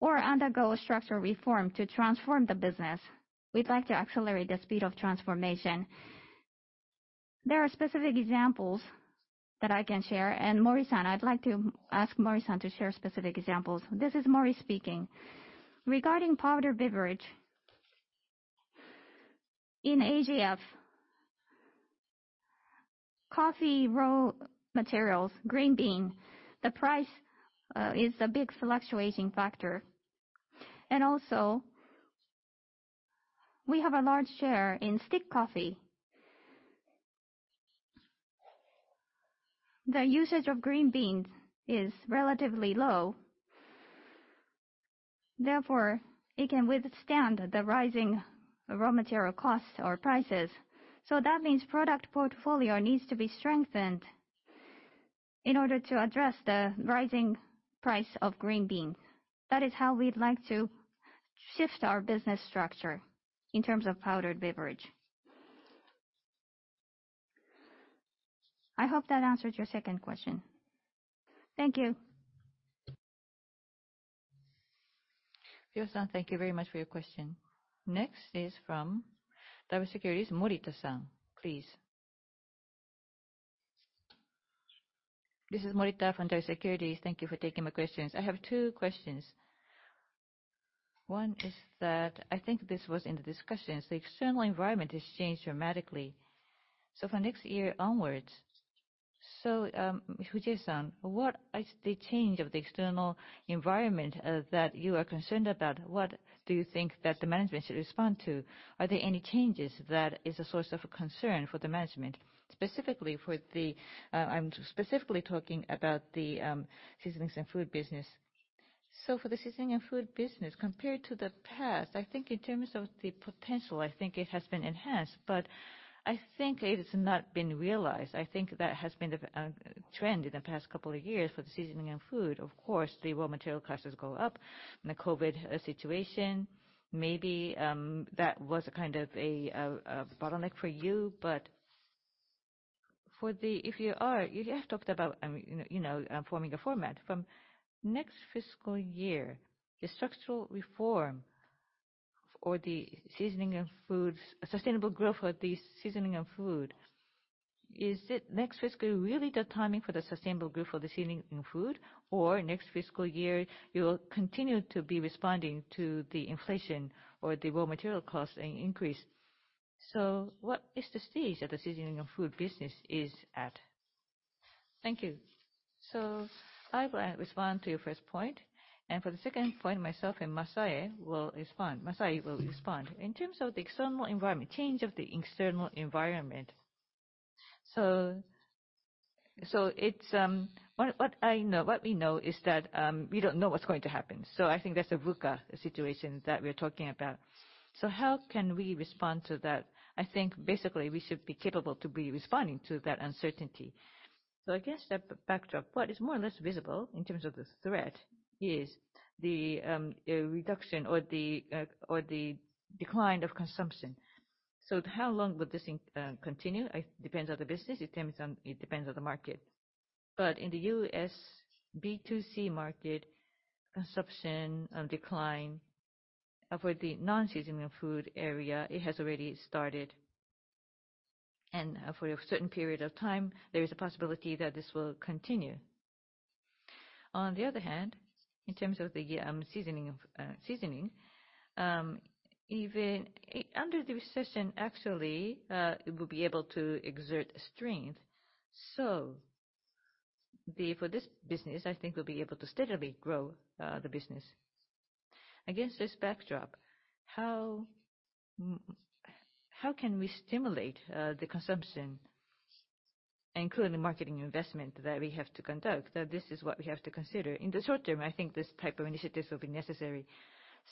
or undergo a structural reform to transform the business. We would like to accelerate the speed of transformation. There are specific examples that I can share, and Mori-san, I would like to ask Mori-san to share specific examples. This is Mori speaking. Regarding powdered beverage, in AGF, coffee raw materials, green bean, the price is a big fluctuating factor. Also, we have a large share in stick coffee. The usage of green beans is relatively low, therefore, it can withstand the rising raw material costs or prices. That means product portfolio needs to be strengthened in order to address the rising price of green bean. That is how we would like to shift our business structure in terms of powdered beverage. I hope that answered your second question. Thank you. Fujiwara-san, thank you very much for your question. Next is from Daiwa Securities, Morita-san, please. This is Morita from Daiwa Securities. Thank you for taking my questions. I have two questions. One is that I think this was in the discussions. The external environment has changed dramatically. For next year onwards, so Fujie-san, what is the change of the external environment that you are concerned about? What do you think that the management should respond to? Are there any changes that is a source of a concern for the management? I am specifically talking about the seasonings and food business. For the seasoning and food business, compared to the past, I think in terms of the potential, I think it has been enhanced, but I think it has not been realized. I think that has been the trend in the past couple of years for the seasoning and food. Of course, the raw material classes go up in the COVID situation. Maybe that was a kind of a bottleneck for you, but you have talked about forming a format. From next fiscal year, the structural reform for the sustainable growth for the seasoning and food, is it next fiscal year really the timing for the sustainable growth for the seasoning and food? Or next fiscal year, you will continue to be responding to the inflation or the raw material cost increase? What is the stage that the seasoning and food business is at? Thank you. I will respond to your first point, and for the second point, myself and Masai will respond. Masai will respond. In terms of the change of the external environment, what we know is that we don't know what's going to happen. I think that's a VUCA situation that we're talking about. How can we respond to that? I think basically we should be capable to be responding to that uncertainty. Against that backdrop, what is more or less visible in terms of the threat is the reduction or the decline of consumption. How long will this continue? It depends on the business, it depends on the market. But in the U.S. B2C market, consumption decline for the non-seasoning food area, it has already started. For a certain period of time, there is a possibility that this will continue. On the other hand, in terms of the seasoning, even under the recession, actually, it will be able to exert strength. For this business, I think we'll be able to steadily grow the business. Against this backdrop, how can we stimulate the consumption, including marketing investment that we have to conduct? That this is what we have to consider. In the short term, I think these type of initiatives will be necessary.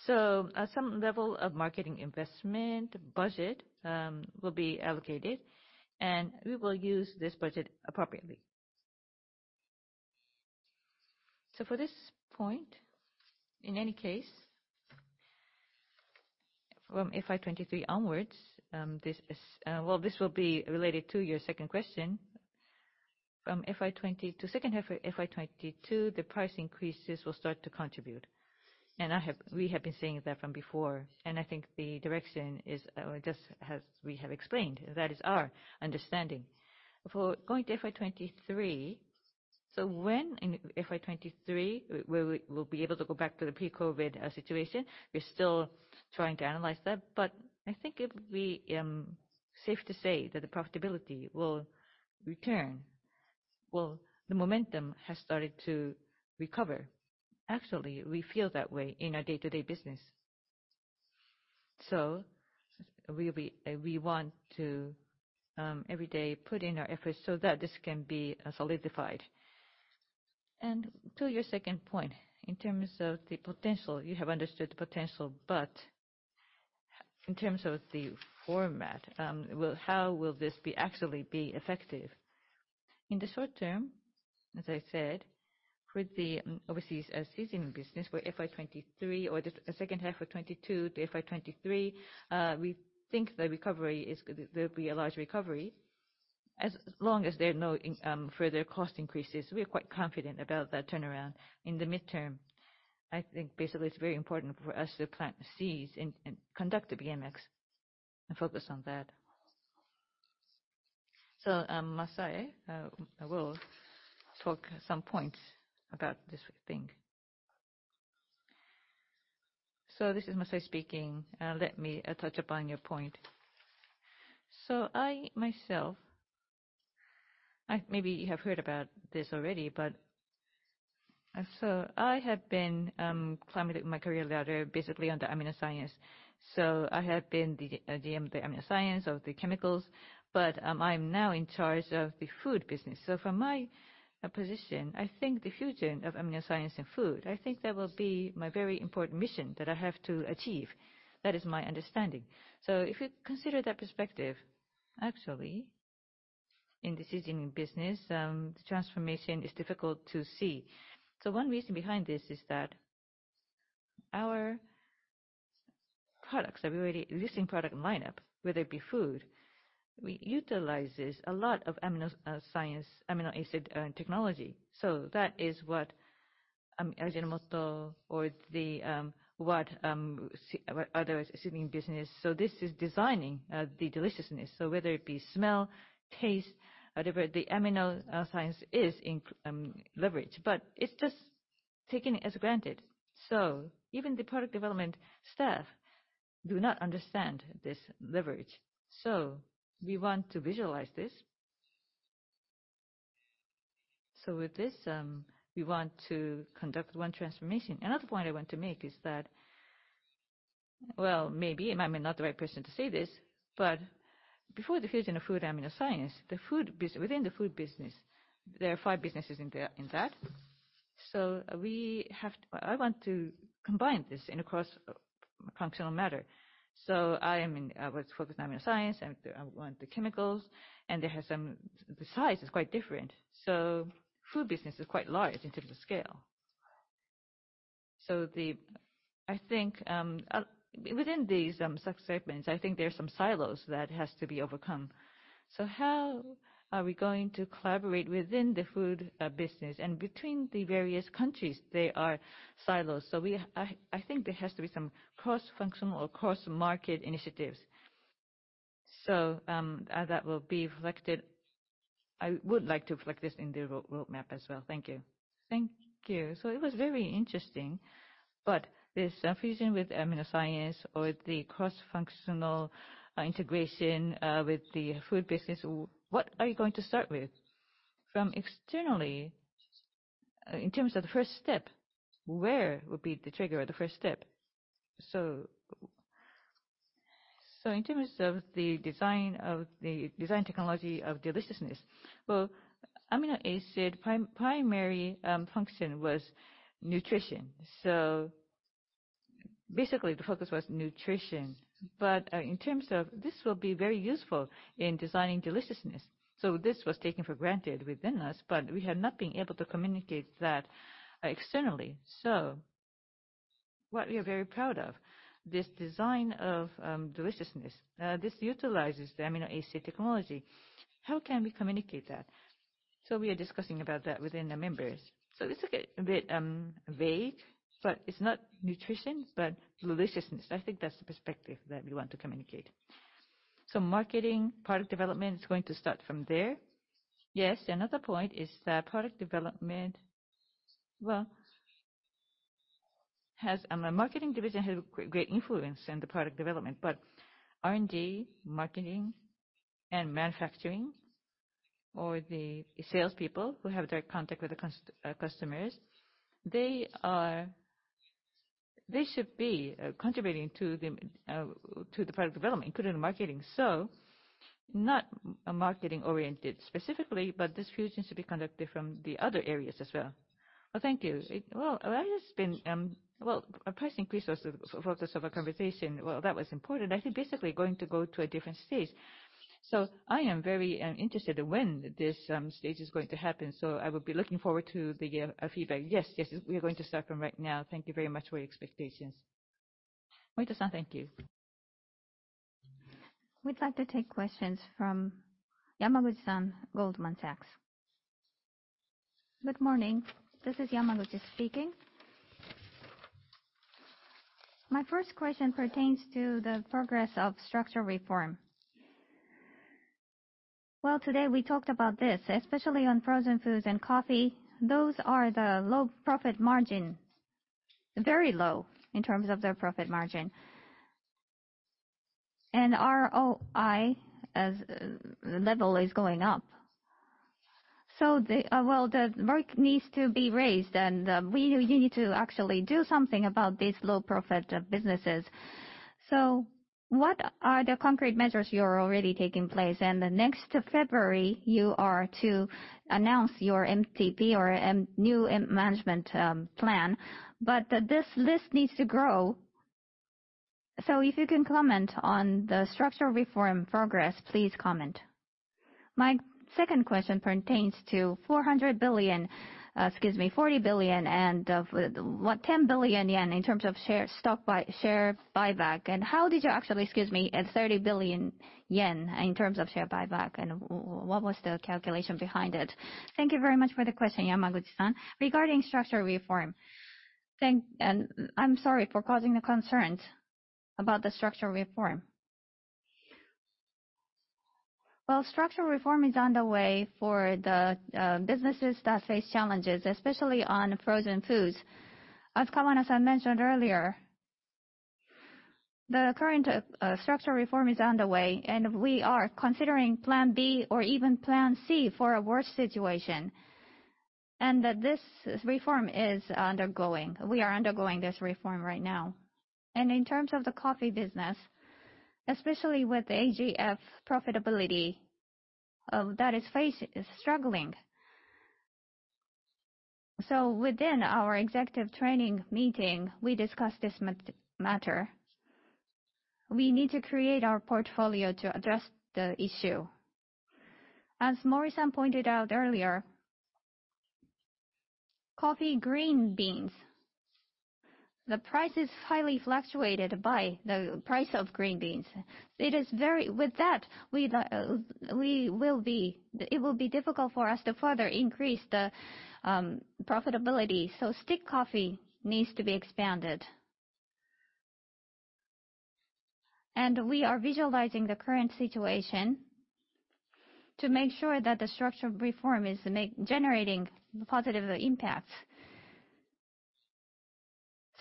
Some level of marketing investment budget will be allocated, and we will use this budget appropriately. For this point, in any case, from FY 2023 onwards, well, this will be related to your second question. From second half FY 2022, the price increases will start to contribute. We have been saying that from before, and I think the direction is just as we have explained. That is our understanding. For going to FY 2023, when in FY 2023 will we be able to go back to the pre-COVID situation? We're still trying to analyze that, but I think it would be safe to say that the profitability will return. Well, the momentum has started to recover. Actually, we feel that way in our day-to-day business. We want to every day put in our efforts so that this can be solidified. To your second point, in terms of the potential, you have understood the potential, but in terms of the format, how will this actually be effective? In the short term, as I said, with the overseas seasoning business for FY 2023 or the second half of 2022 to FY 2023, we think there'll be a large recovery. As long as there are no further cost increases, we are quite confident about that turnaround. In the midterm, I think basically it's very important for us to plan, seize, and conduct the BMX and focus on that. Masai will talk some points about this thing. This is Masai speaking. Let me touch upon your point. I myself, maybe you have heard about this already, but I have been climbing my career ladder basically under AminoScience. I have been the GM of the AminoScience, of the chemicals, but I'm now in charge of the food business. From my position, I think the fusion of AminoScience and food, I think that will be my very important mission that I have to achieve. That is my understanding. If you consider that perspective, actually, in the seasoning business, the transformation is difficult to see. One reason behind this is that our existing product lineup, whether it be food, utilizes a lot of amino acid technology. That is what Ajinomoto or what other seasoning business. This is designing the deliciousness. Whether it be smell, taste, whatever, the AminoScience is leveraged, but it's just taken for granted. Even the product development staff do not understand this leverage. We want to visualize this. With this, we want to conduct one transformation. Another point I want to make is that, well, maybe I'm not the right person to say this, but before the fusion of Food AminoScience, within the food business, there are five businesses in that. I want to combine this in a cross-functional matter. I was focused on AminoScience, and I want the chemicals, and the size is quite different. Food business is quite large in terms of scale. I think within these sub-segments, I think there are some silos that has to be overcome. How are we going to collaborate within the food business? And between the various countries, there are silos. I think there has to be some cross-functional or cross-market initiatives. That will be reflected. I would like to reflect this in the roadmap as well. Thank you. Thank you. It was very interesting. This fusion with AminoScience or the cross-functional integration with the food business, what are you going to start with? From externally. In terms of the first step, where would be the trigger or the first step? In terms of the design technology of deliciousness, well, amino acid primary function was nutrition. Basically, the focus was nutrition. This will be very useful in designing deliciousness. This was taken for granted within us, but we had not been able to communicate that externally. What we are very proud of, this design of deliciousness, this utilizes the amino acid technology. How can we communicate that? We are discussing about that within the members. It's a bit vague, but it's not nutrition, but deliciousness. I think that's the perspective that we want to communicate. Marketing, product development is going to start from there. Yes. Another point is that product development. Well, our marketing division has a great influence in the product development, but R&D, marketing and manufacturing, or the salespeople who have direct contact with the customers, they should be contributing to the product development, including marketing. Not marketing-oriented specifically, but this fusion should be conducted from the other areas as well. Well, thank you. Well, a price increase was the focus of our conversation. Well, that was important. I think we are basically going to go to a different stage. I am very interested when this stage is going to happen, I will be looking forward to the feedback. Yes, we are going to start from right now. Thank you very much for your expectations. Morita-san, thank you. We'd like to take questions from Yamaguchi-san, Goldman Sachs. Good morning. This is Yamaguchi speaking. My first question pertains to the progress of structural reform. Well, today we talked about this, especially on frozen foods and coffee. Those are the low profit margin, very low in terms of their profit margin. ROI level is going up. Well, the work needs to be raised, and we need to actually do something about these low profit businesses. What are the concrete measures you are already taking place? The next February, you are to announce your MTP or new management plan. This list needs to grow. If you can comment on the structural reform progress, please comment. My second question pertains to 400 billion, excuse me, 40 billion and what, 10 billion yen in terms of share buyback. How did you actually, excuse me, at 30 billion yen in terms of share buyback, and what was the calculation behind it? Thank you very much for the question, Yamaguchi-san. Regarding structural reform, I'm sorry for causing the concerns about the structural reform. Well, structural reform is underway for the businesses that face challenges, especially on frozen foods. As Kawana-san mentioned earlier, the current structural reform is underway, and we are considering plan B or even plan C for a worse situation, and that this reform is undergoing. We are undergoing this reform right now. In terms of the coffee business, especially with AGF profitability, that is struggling. Within our executive training meeting, we discussed this matter. We need to create our portfolio to address the issue. As Mori-san pointed out earlier, coffee green beans. The price is highly fluctuated by the price of green beans. With that, it will be difficult for us to further increase the profitability. Stick coffee needs to be expanded. We are visualizing the current situation to make sure that the structural reform is generating positive impacts.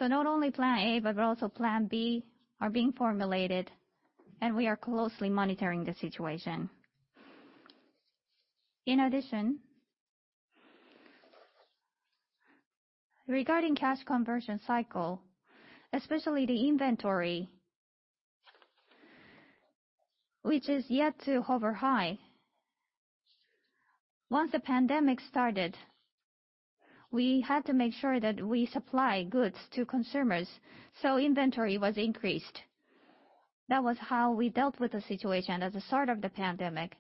Not only plan A, but also plan B are being formulated, and we are closely monitoring the situation. In addition, regarding cash conversion cycle, especially the inventory, which is yet to hover high. Once the pandemic started, we had to make sure that we supply goods to consumers, so inventory was increased. That was how we dealt with the situation at the start of the pandemic.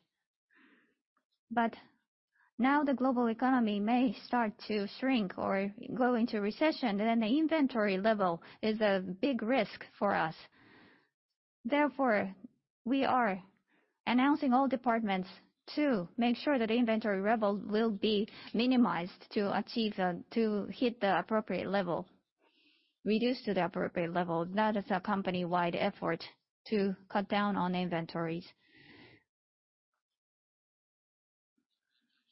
Now the global economy may start to shrink or go into recession, and the inventory level is a big risk for us. Therefore, we are announcing all departments to make sure that inventory level will be minimized to hit the appropriate level, reduced to the appropriate level. That is a company-wide effort to cut down on inventories.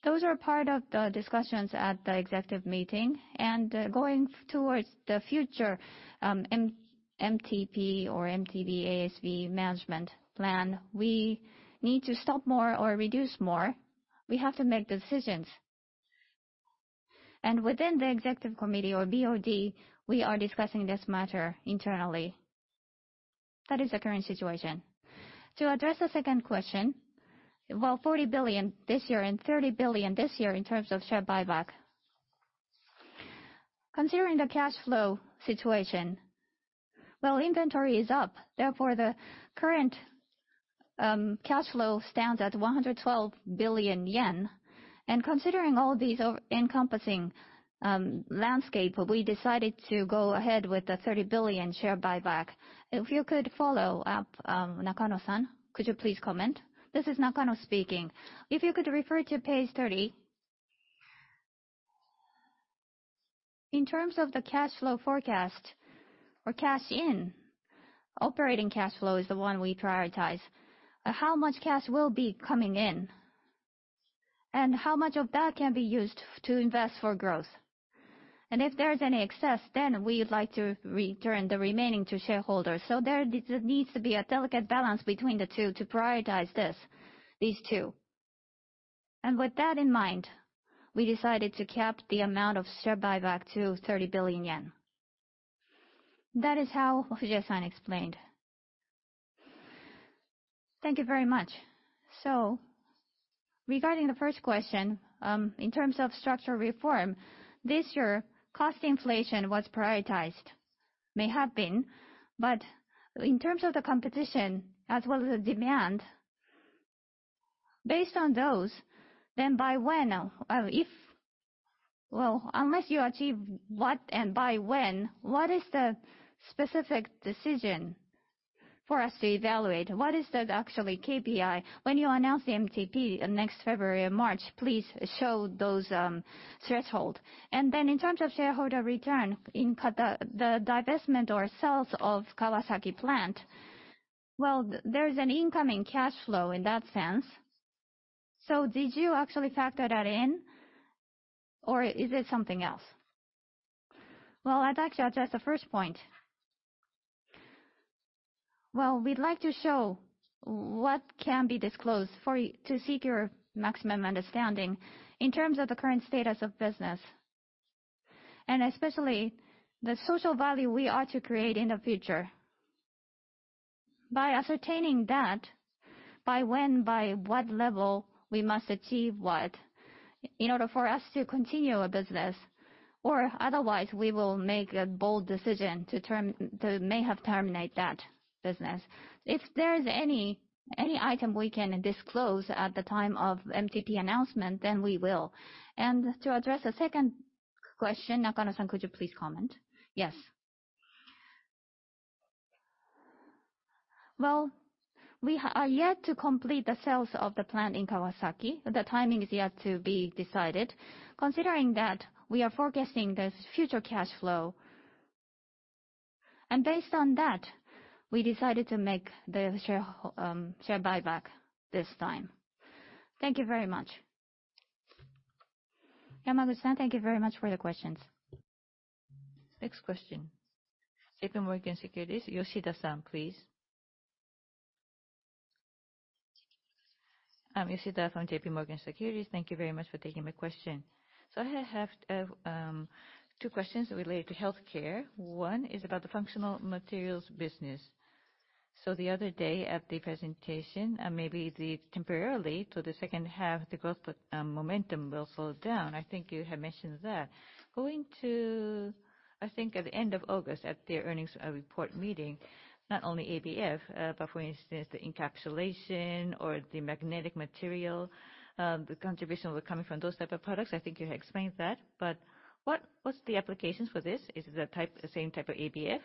Those are part of the discussions at the executive meeting. Going towards the future MTP or MTP ASV management plan, we need to stop more or reduce more. We have to make decisions. Within the executive committee or BOD, we are discussing this matter internally. That is the current situation. To address the second question, well, 40 billion this year and 30 billion this year in terms of share buyback. Considering the cash flow situation, inventory is up, therefore the current cash flow stands at 112 billion yen. Considering all these encompassing landscape, we decided to go ahead with the 30 billion share buyback. If you could follow up, Nakano-san, could you please comment? This is Nakano speaking. If you could refer to page 30. In terms of the cash flow forecast or cash in, operating cash flow is the one we prioritize. How much cash will be coming in, and how much of that can be used to invest for growth? If there is any excess, then we'd like to return the remaining to shareholders. There needs to be a delicate balance between the two to prioritize these two. With that in mind, we decided to cap the amount of share buyback to 30 billion yen. That is how Fujie-san explained. Thank you very much. Regarding the first question, in terms of structural reform, this year, cost inflation was prioritized. May have been, but in terms of the competition as well as the demand, based on those, then by when? Unless you achieve what and by when, what is the specific decision for us to evaluate? What is the actual KPI? When you announce the MTP next February or March, please show those thresholds. Then in terms of shareholder return in the divestment or sales of Kawasaki plant, well, there is an incoming cash flow in that sense. Did you actually factor that in or is it something else? Well, I'd like to address the first point. We'd like to show what can be disclosed to seek your maximum understanding in terms of the current status of business, and especially the social value we ought to create in the future. By ascertaining that, by when, by what level, we must achieve what in order for us to continue a business. Otherwise, we will make a bold decision to may have terminate that business. If there is any item we can disclose at the time of MTP announcement, then we will. To address the second question, Nakano-san, could you please comment? Yes. Well, we are yet to complete the sales of the plant in Kawasaki. The timing is yet to be decided. Considering that, we are forecasting the future cash flow. Based on that, we decided to make the share buyback this time. Thank you very much. Yamaguchi-san, thank you very much for your questions. Next question. JPMorgan Securities, Yoshida-san, please. Yoshida from JPMorgan Securities. Thank you very much for taking my question. I have two questions related to healthcare. One is about the functional materials business. The other day at the presentation, maybe temporarily to the second half, the growth momentum will slow down. I think you had mentioned that. Going to, I think, at the end of August at the earnings report meeting, not only ABF, but for instance, the encapsulation or the magnetic material, the contribution will be coming from those type of products. I think you had explained that, but what's the applications for this? Is it the same type of ABF?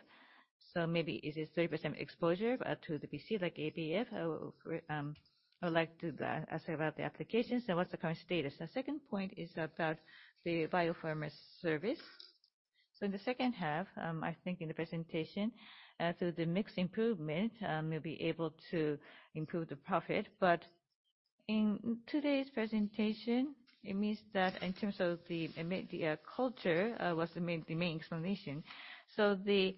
Maybe is it 30% exposure to the BC like ABF? I would like to ask about the applications and what's the current status. The second point is about the biopharma service. In the second half, I think in the presentation, through the mix improvement, you'll be able to improve the profit. In today's presentation, it means that in terms of the culture was the main explanation. Is this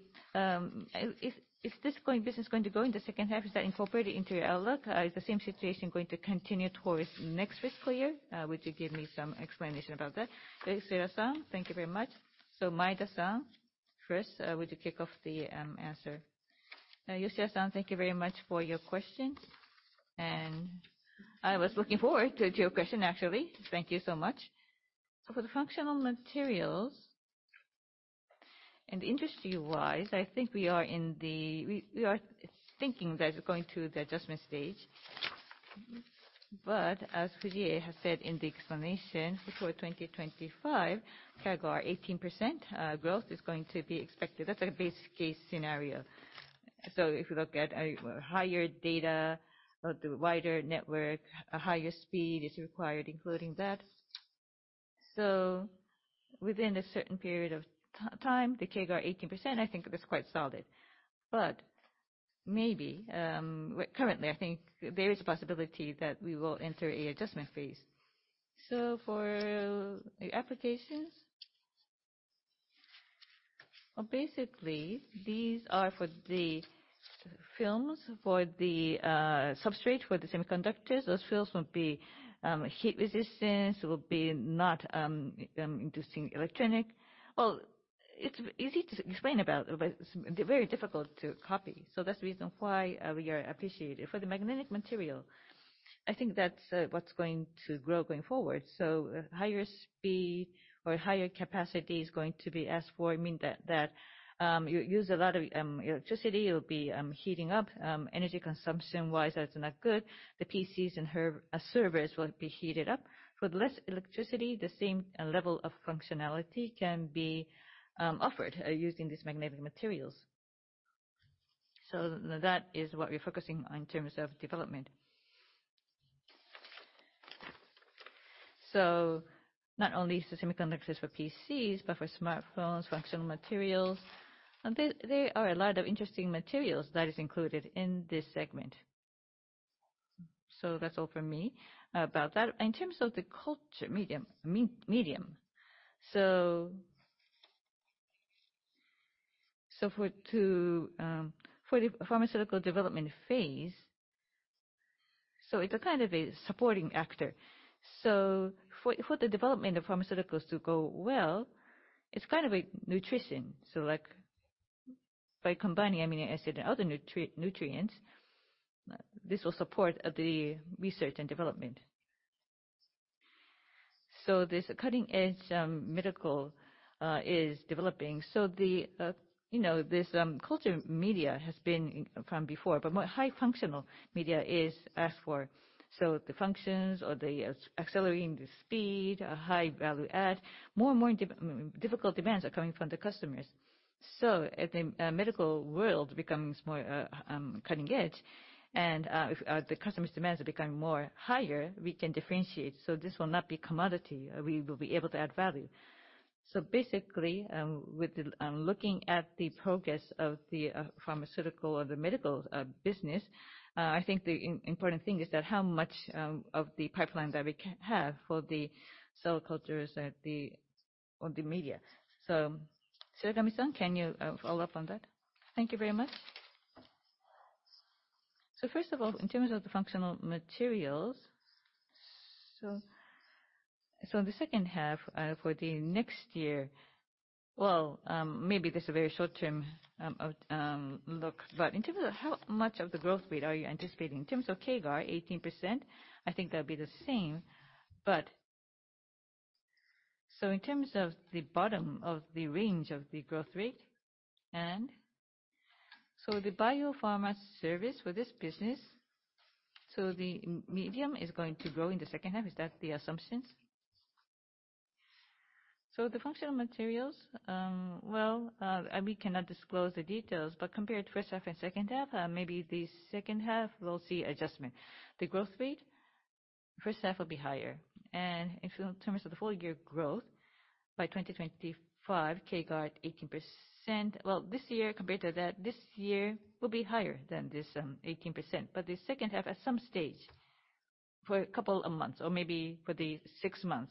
business going to go in the second half? Is that incorporated into your outlook? Is the same situation going to continue towards next fiscal year? Would you give me some explanation about that? Yoshida-san, thank you very much. Maeda-san, first, would you kick off the answer? Yoshida-san, thank you very much for your question, I was looking forward to your question, actually. Thank you so much. For the functional materials and industry-wise, I think we are thinking that it's going to the adjustment stage. But as Fujie has said in the explanation, before 2025, CAGR 18% growth is going to be expected. That's a base case scenario. If you look at higher data or the wider network, a higher speed is required, including that. Within a certain period of time, the CAGR 18%, I think that's quite solid. Maybe, currently, I think there is a possibility that we will enter an adjustment phase. For the applications Basically, these are for the films, for the substrate, for the semiconductors. Those films will be heat resistant, will be not inducing electronic. It's easy to explain about, but very difficult to copy. That's the reason why we are appreciated. For the magnetic material, I think that's what's going to grow going forward. Higher speed or higher capacity is going to be asked for. I mean that you use a lot of electricity, you'll be heating up. Energy consumption-wise, that's not good. The PCs and servers will be heated up. With less electricity, the same level of functionality can be offered using these magnetic materials. That is what we're focusing on in terms of development. Not only the semiconductors for PCs, but for smartphones, functional materials. There are a lot of interesting materials that is included in this segment. That's all from me about that. In terms of the culture medium. For the pharmaceutical development phase, it's a kind of a supporting actor. For the development of pharmaceuticals to go well, it's a kind of a nutrition. By combining amino acid and other nutrients, this will support the research and development. This cutting-edge medical is developing. This culture media has been from before, but more high-functional media is asked for. The functions or the accelerating the speed, a high-value add, more and more difficult demands are coming from the customers. As the medical world becomes more cutting edge and the customer's demands are becoming much higher, we can differentiate. This will not be commodity. We will be able to add value. Basically, looking at the progress of the pharmaceutical or the medical business, I think the important thing is that how much of the pipeline that we have for the cell cultures or the media. Shiragami-san, can you follow up on that? Thank you very much. First of all, in terms of the functional materials, the second half for the next year, maybe this is a very short-term look, but in terms of how much of the growth rate are you anticipating? In terms of CAGR, 18%, I think that'll be the same. In terms of the bottom of the range of the growth rate, the biopharma service for this business, the medium is going to grow in the second half. Is that the assumption? The functional materials, well, we cannot disclose the details, but compared to first half and second half, the second half, we'll see adjustment. The growth rate first half will be higher. In terms of the full-year growth, by 2025, CAGR at 18%. This year compared to that, this year will be higher than this 18%. The second half at some stage, for a couple of months or maybe for the six months,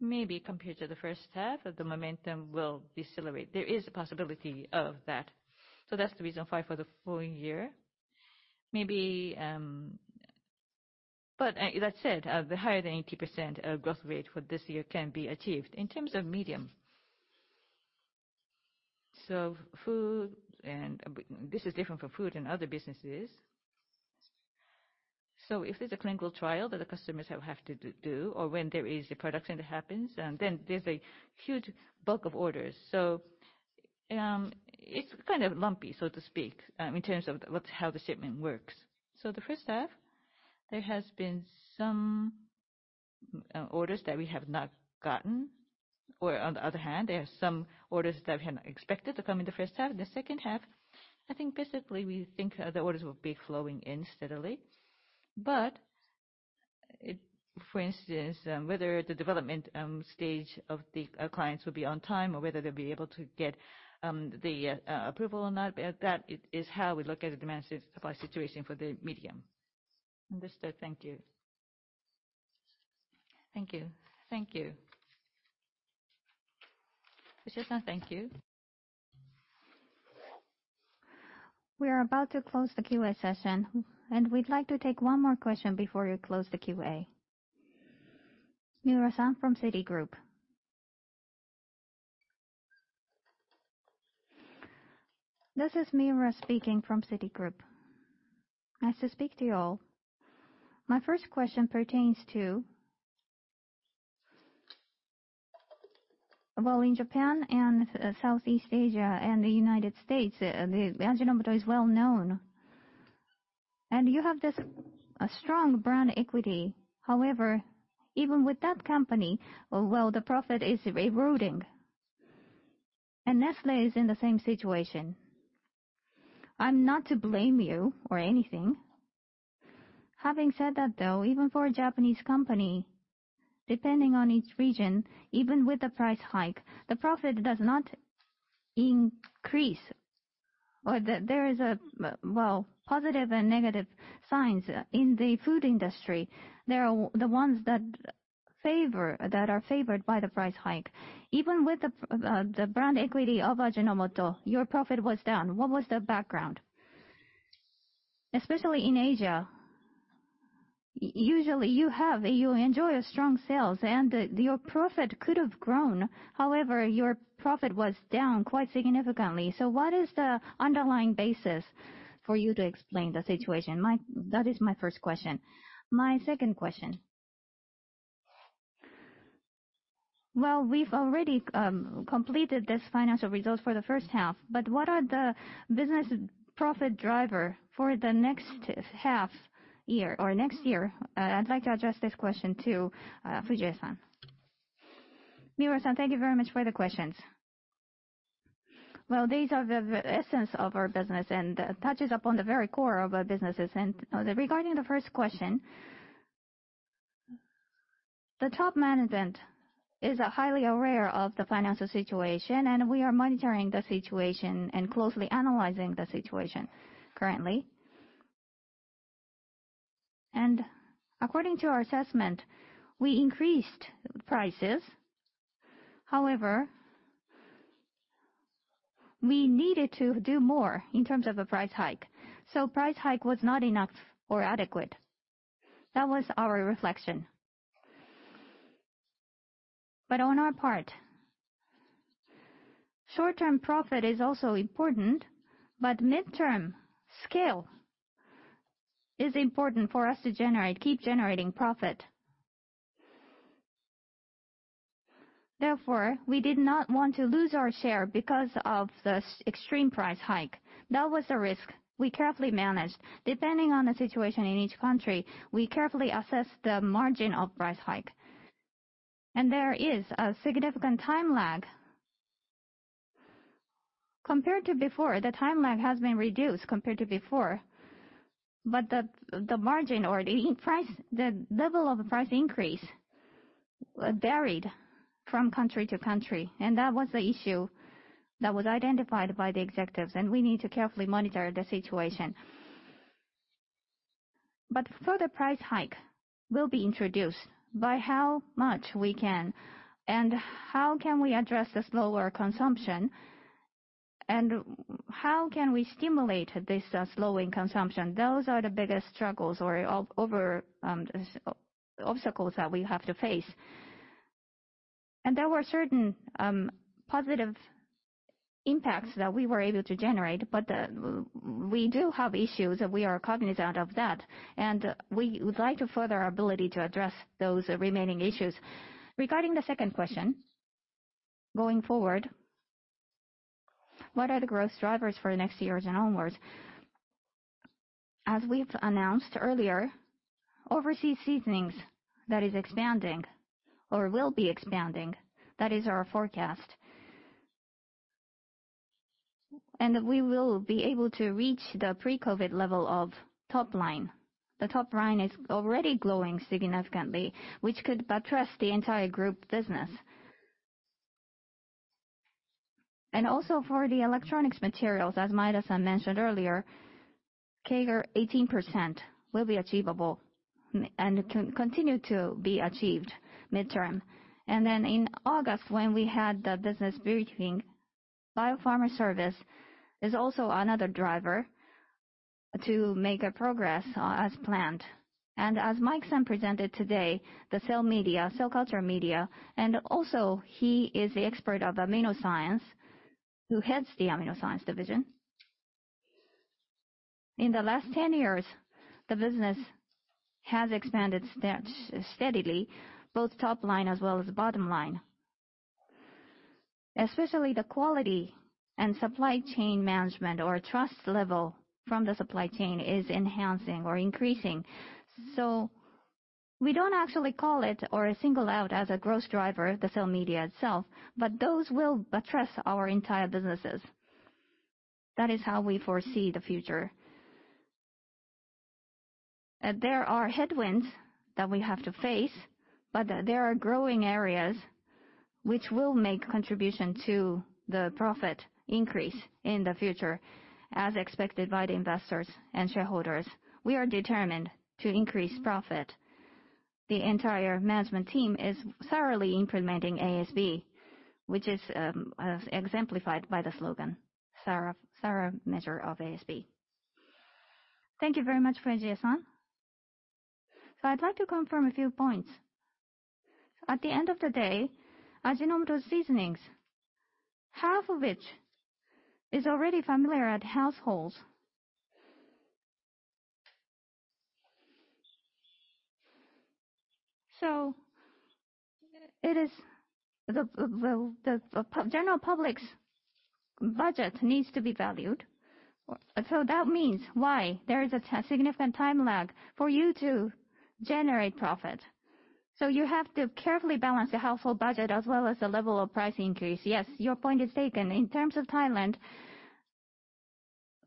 maybe compared to the first half, the momentum will decelerate. There is a possibility of that. That's the reason why for the full year. That said, the higher than 18% growth rate for this year can be achieved. In terms of medium. This is different for food and other businesses. If there's a clinical trial that the customers have to do, or when there is a production that happens, then there's a huge bulk of orders. It's kind of lumpy, so to speak, in terms of how the shipment works. The first half, there has been some orders that we have not gotten, or on the other hand, there are some orders that we had expected to come in the first half. The second half, I think basically, we think the orders will be flowing in steadily. For instance, whether the development stage of the clients will be on time or whether they'll be able to get the approval or not, that is how we look at the demand supply situation for the medium. Understood. Thank you. Thank you. Thank you. Yoshida-san, thank you. We are about to close the Q&A session, and we'd like to take one more question before we close the Q&A. Miura-san from Citigroup. This is Miura speaking from Citigroup. Nice to speak to you all. My first question pertains to, well, in Japan and Southeast Asia and the U.S., Ajinomoto Co., Inc. is well known. You have this strong brand equity. Even with that company, well, the profit is eroding. Nestlé is in the same situation. I'm not to blame you or anything. Even for a Japanese company, depending on each region, even with the price hike, the profit does not increase. There is positive and negative signs in the food industry. There are the ones that are favored by the price hike. Even with the brand equity of Ajinomoto Co., Inc., your profit was down. What was the background? Especially in Asia, usually you enjoy strong sales, and your profit could have grown. Your profit was down quite significantly. What is the underlying basis for you to explain the situation? That is my first question. My second question. We've already completed this financial result for the first half, but what are the business profit driver for the next half year or next year? I'd like to address this question to Fujie-san. Miura-san, thank you very much for the questions. These are the essence of our business and touches upon the very core of our businesses. Regarding the first question, the top management is highly aware of the financial situation, and we are monitoring the situation and closely analyzing the situation currently. According to our assessment, we increased prices. We needed to do more in terms of a price hike. Price hike was not enough or adequate. That was our reflection. On our part, short-term profit is also important, but mid-term scale is important for us to keep generating profit. We did not want to lose our share because of the extreme price hike. That was a risk we carefully managed. Depending on the situation in each country, we carefully assessed the margin of price hike. There is a significant time lag. Compared to before, the time lag has been reduced compared to before, but the margin or the level of price increase varied from country to country. That was the issue that was identified by the executives, and we need to carefully monitor the situation. Further price hike will be introduced by how much we can, and how can we address the slower consumption, and how can we stimulate this slowing consumption? Those are the biggest struggles or obstacles that we have to face. There were certain positive impacts that we were able to generate, but we do have issues and we are cognizant of that, and we would like to further our ability to address those remaining issues. Regarding the second question, going forward, what are the growth drivers for next years and onwards? As we've announced earlier, overseas seasonings, that is expanding or will be expanding. That is our forecast. We will be able to reach the pre-COVID level of top line. The top line is already growing significantly, which could buttress the entire group business. Also for the electronics materials, as Maeda-san mentioned earlier, CAGR 18% will be achievable and can continue to be achieved mid-term. In August, when we had the business briefing, biopharma service is also another driver to make a progress as planned. As Maeda-san presented today, the cell culture media, and also he is the expert of amino science who heads the Amino Science Division. In the last 10 years, the business has expanded steadily, both top line as well as bottom line. Especially the quality and supply chain management or trust level from the supply chain is enhancing or increasing. We don't actually call it or single out as a growth driver, the cell media itself, but those will buttress our entire businesses. That is how we foresee the future. There are headwinds that we have to face, but there are growing areas which will make contribution to the profit increase in the future, as expected by the investors and shareholders. We are determined to increase profit. The entire management team is thoroughly implementing ASV, which is exemplified by the slogan, "Thorough Measure of ASV." T hank you very much, Fujii-san. I'd like to confirm a few points. At the end of the day, Ajinomoto seasonings, half of which is already familiar at households. The general public's budget needs to be valued. That means why there is a significant time lag for you to generate profit. You have to carefully balance the household budget as well as the level of price increase. Yes, your point is taken. In terms of Thailand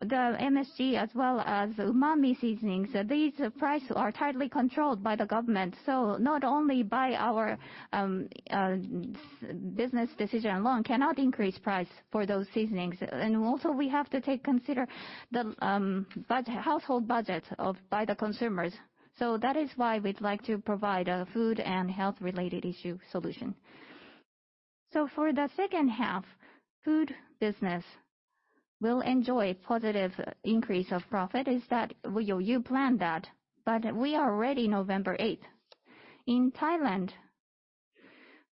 the MSG as well as umami seasonings, these price are tightly controlled by the government. Not only by our business decision alone cannot increase price for those seasonings. Also we have to consider the household budget by the consumers. That is why we'd like to provide a food and health-related issue solution. For the second half, food business will enjoy positive increase of profit. You planned that, but we are already November 8th. In Thailand,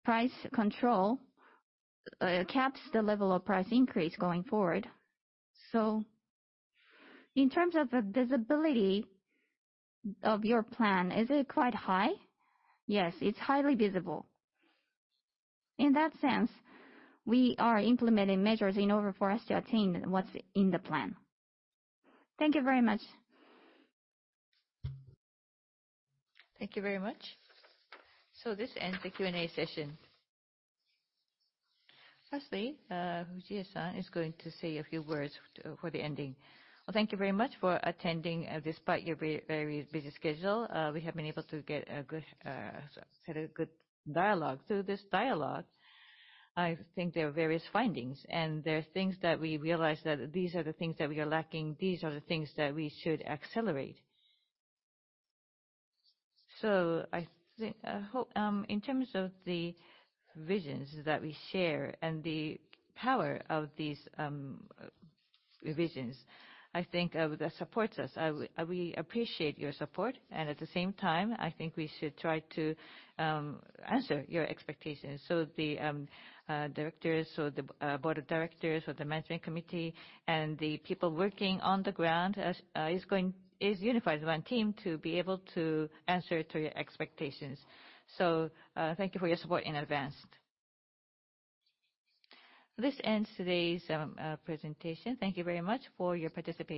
price control caps the level of price increase going forward. In terms of the visibility of your plan, is it quite high? Yes, it's highly visible. In that sense, we are implementing measures in order for us to attain what's in the plan. Thank you very much. Thank you very much. This ends the Q&A session. Firstly, Fujie-san is going to say a few words for the ending. Thank you very much for attending despite your very busy schedule. We have been able to have a good dialogue. Through this dialogue, I think there are various findings, and there are things that we realized that these are the things that we are lacking, these are the things that we should accelerate. I hope in terms of the visions that we share and the power of these visions, I think that supports us. We appreciate your support, and at the same time, I think we should try to answer your expectations. The directors or the board of directors or the management committee and the people working on the ground is unified as one team to be able to answer to your expectations. Thank you for your support in advance. This ends today's presentation. Thank you very much for your participation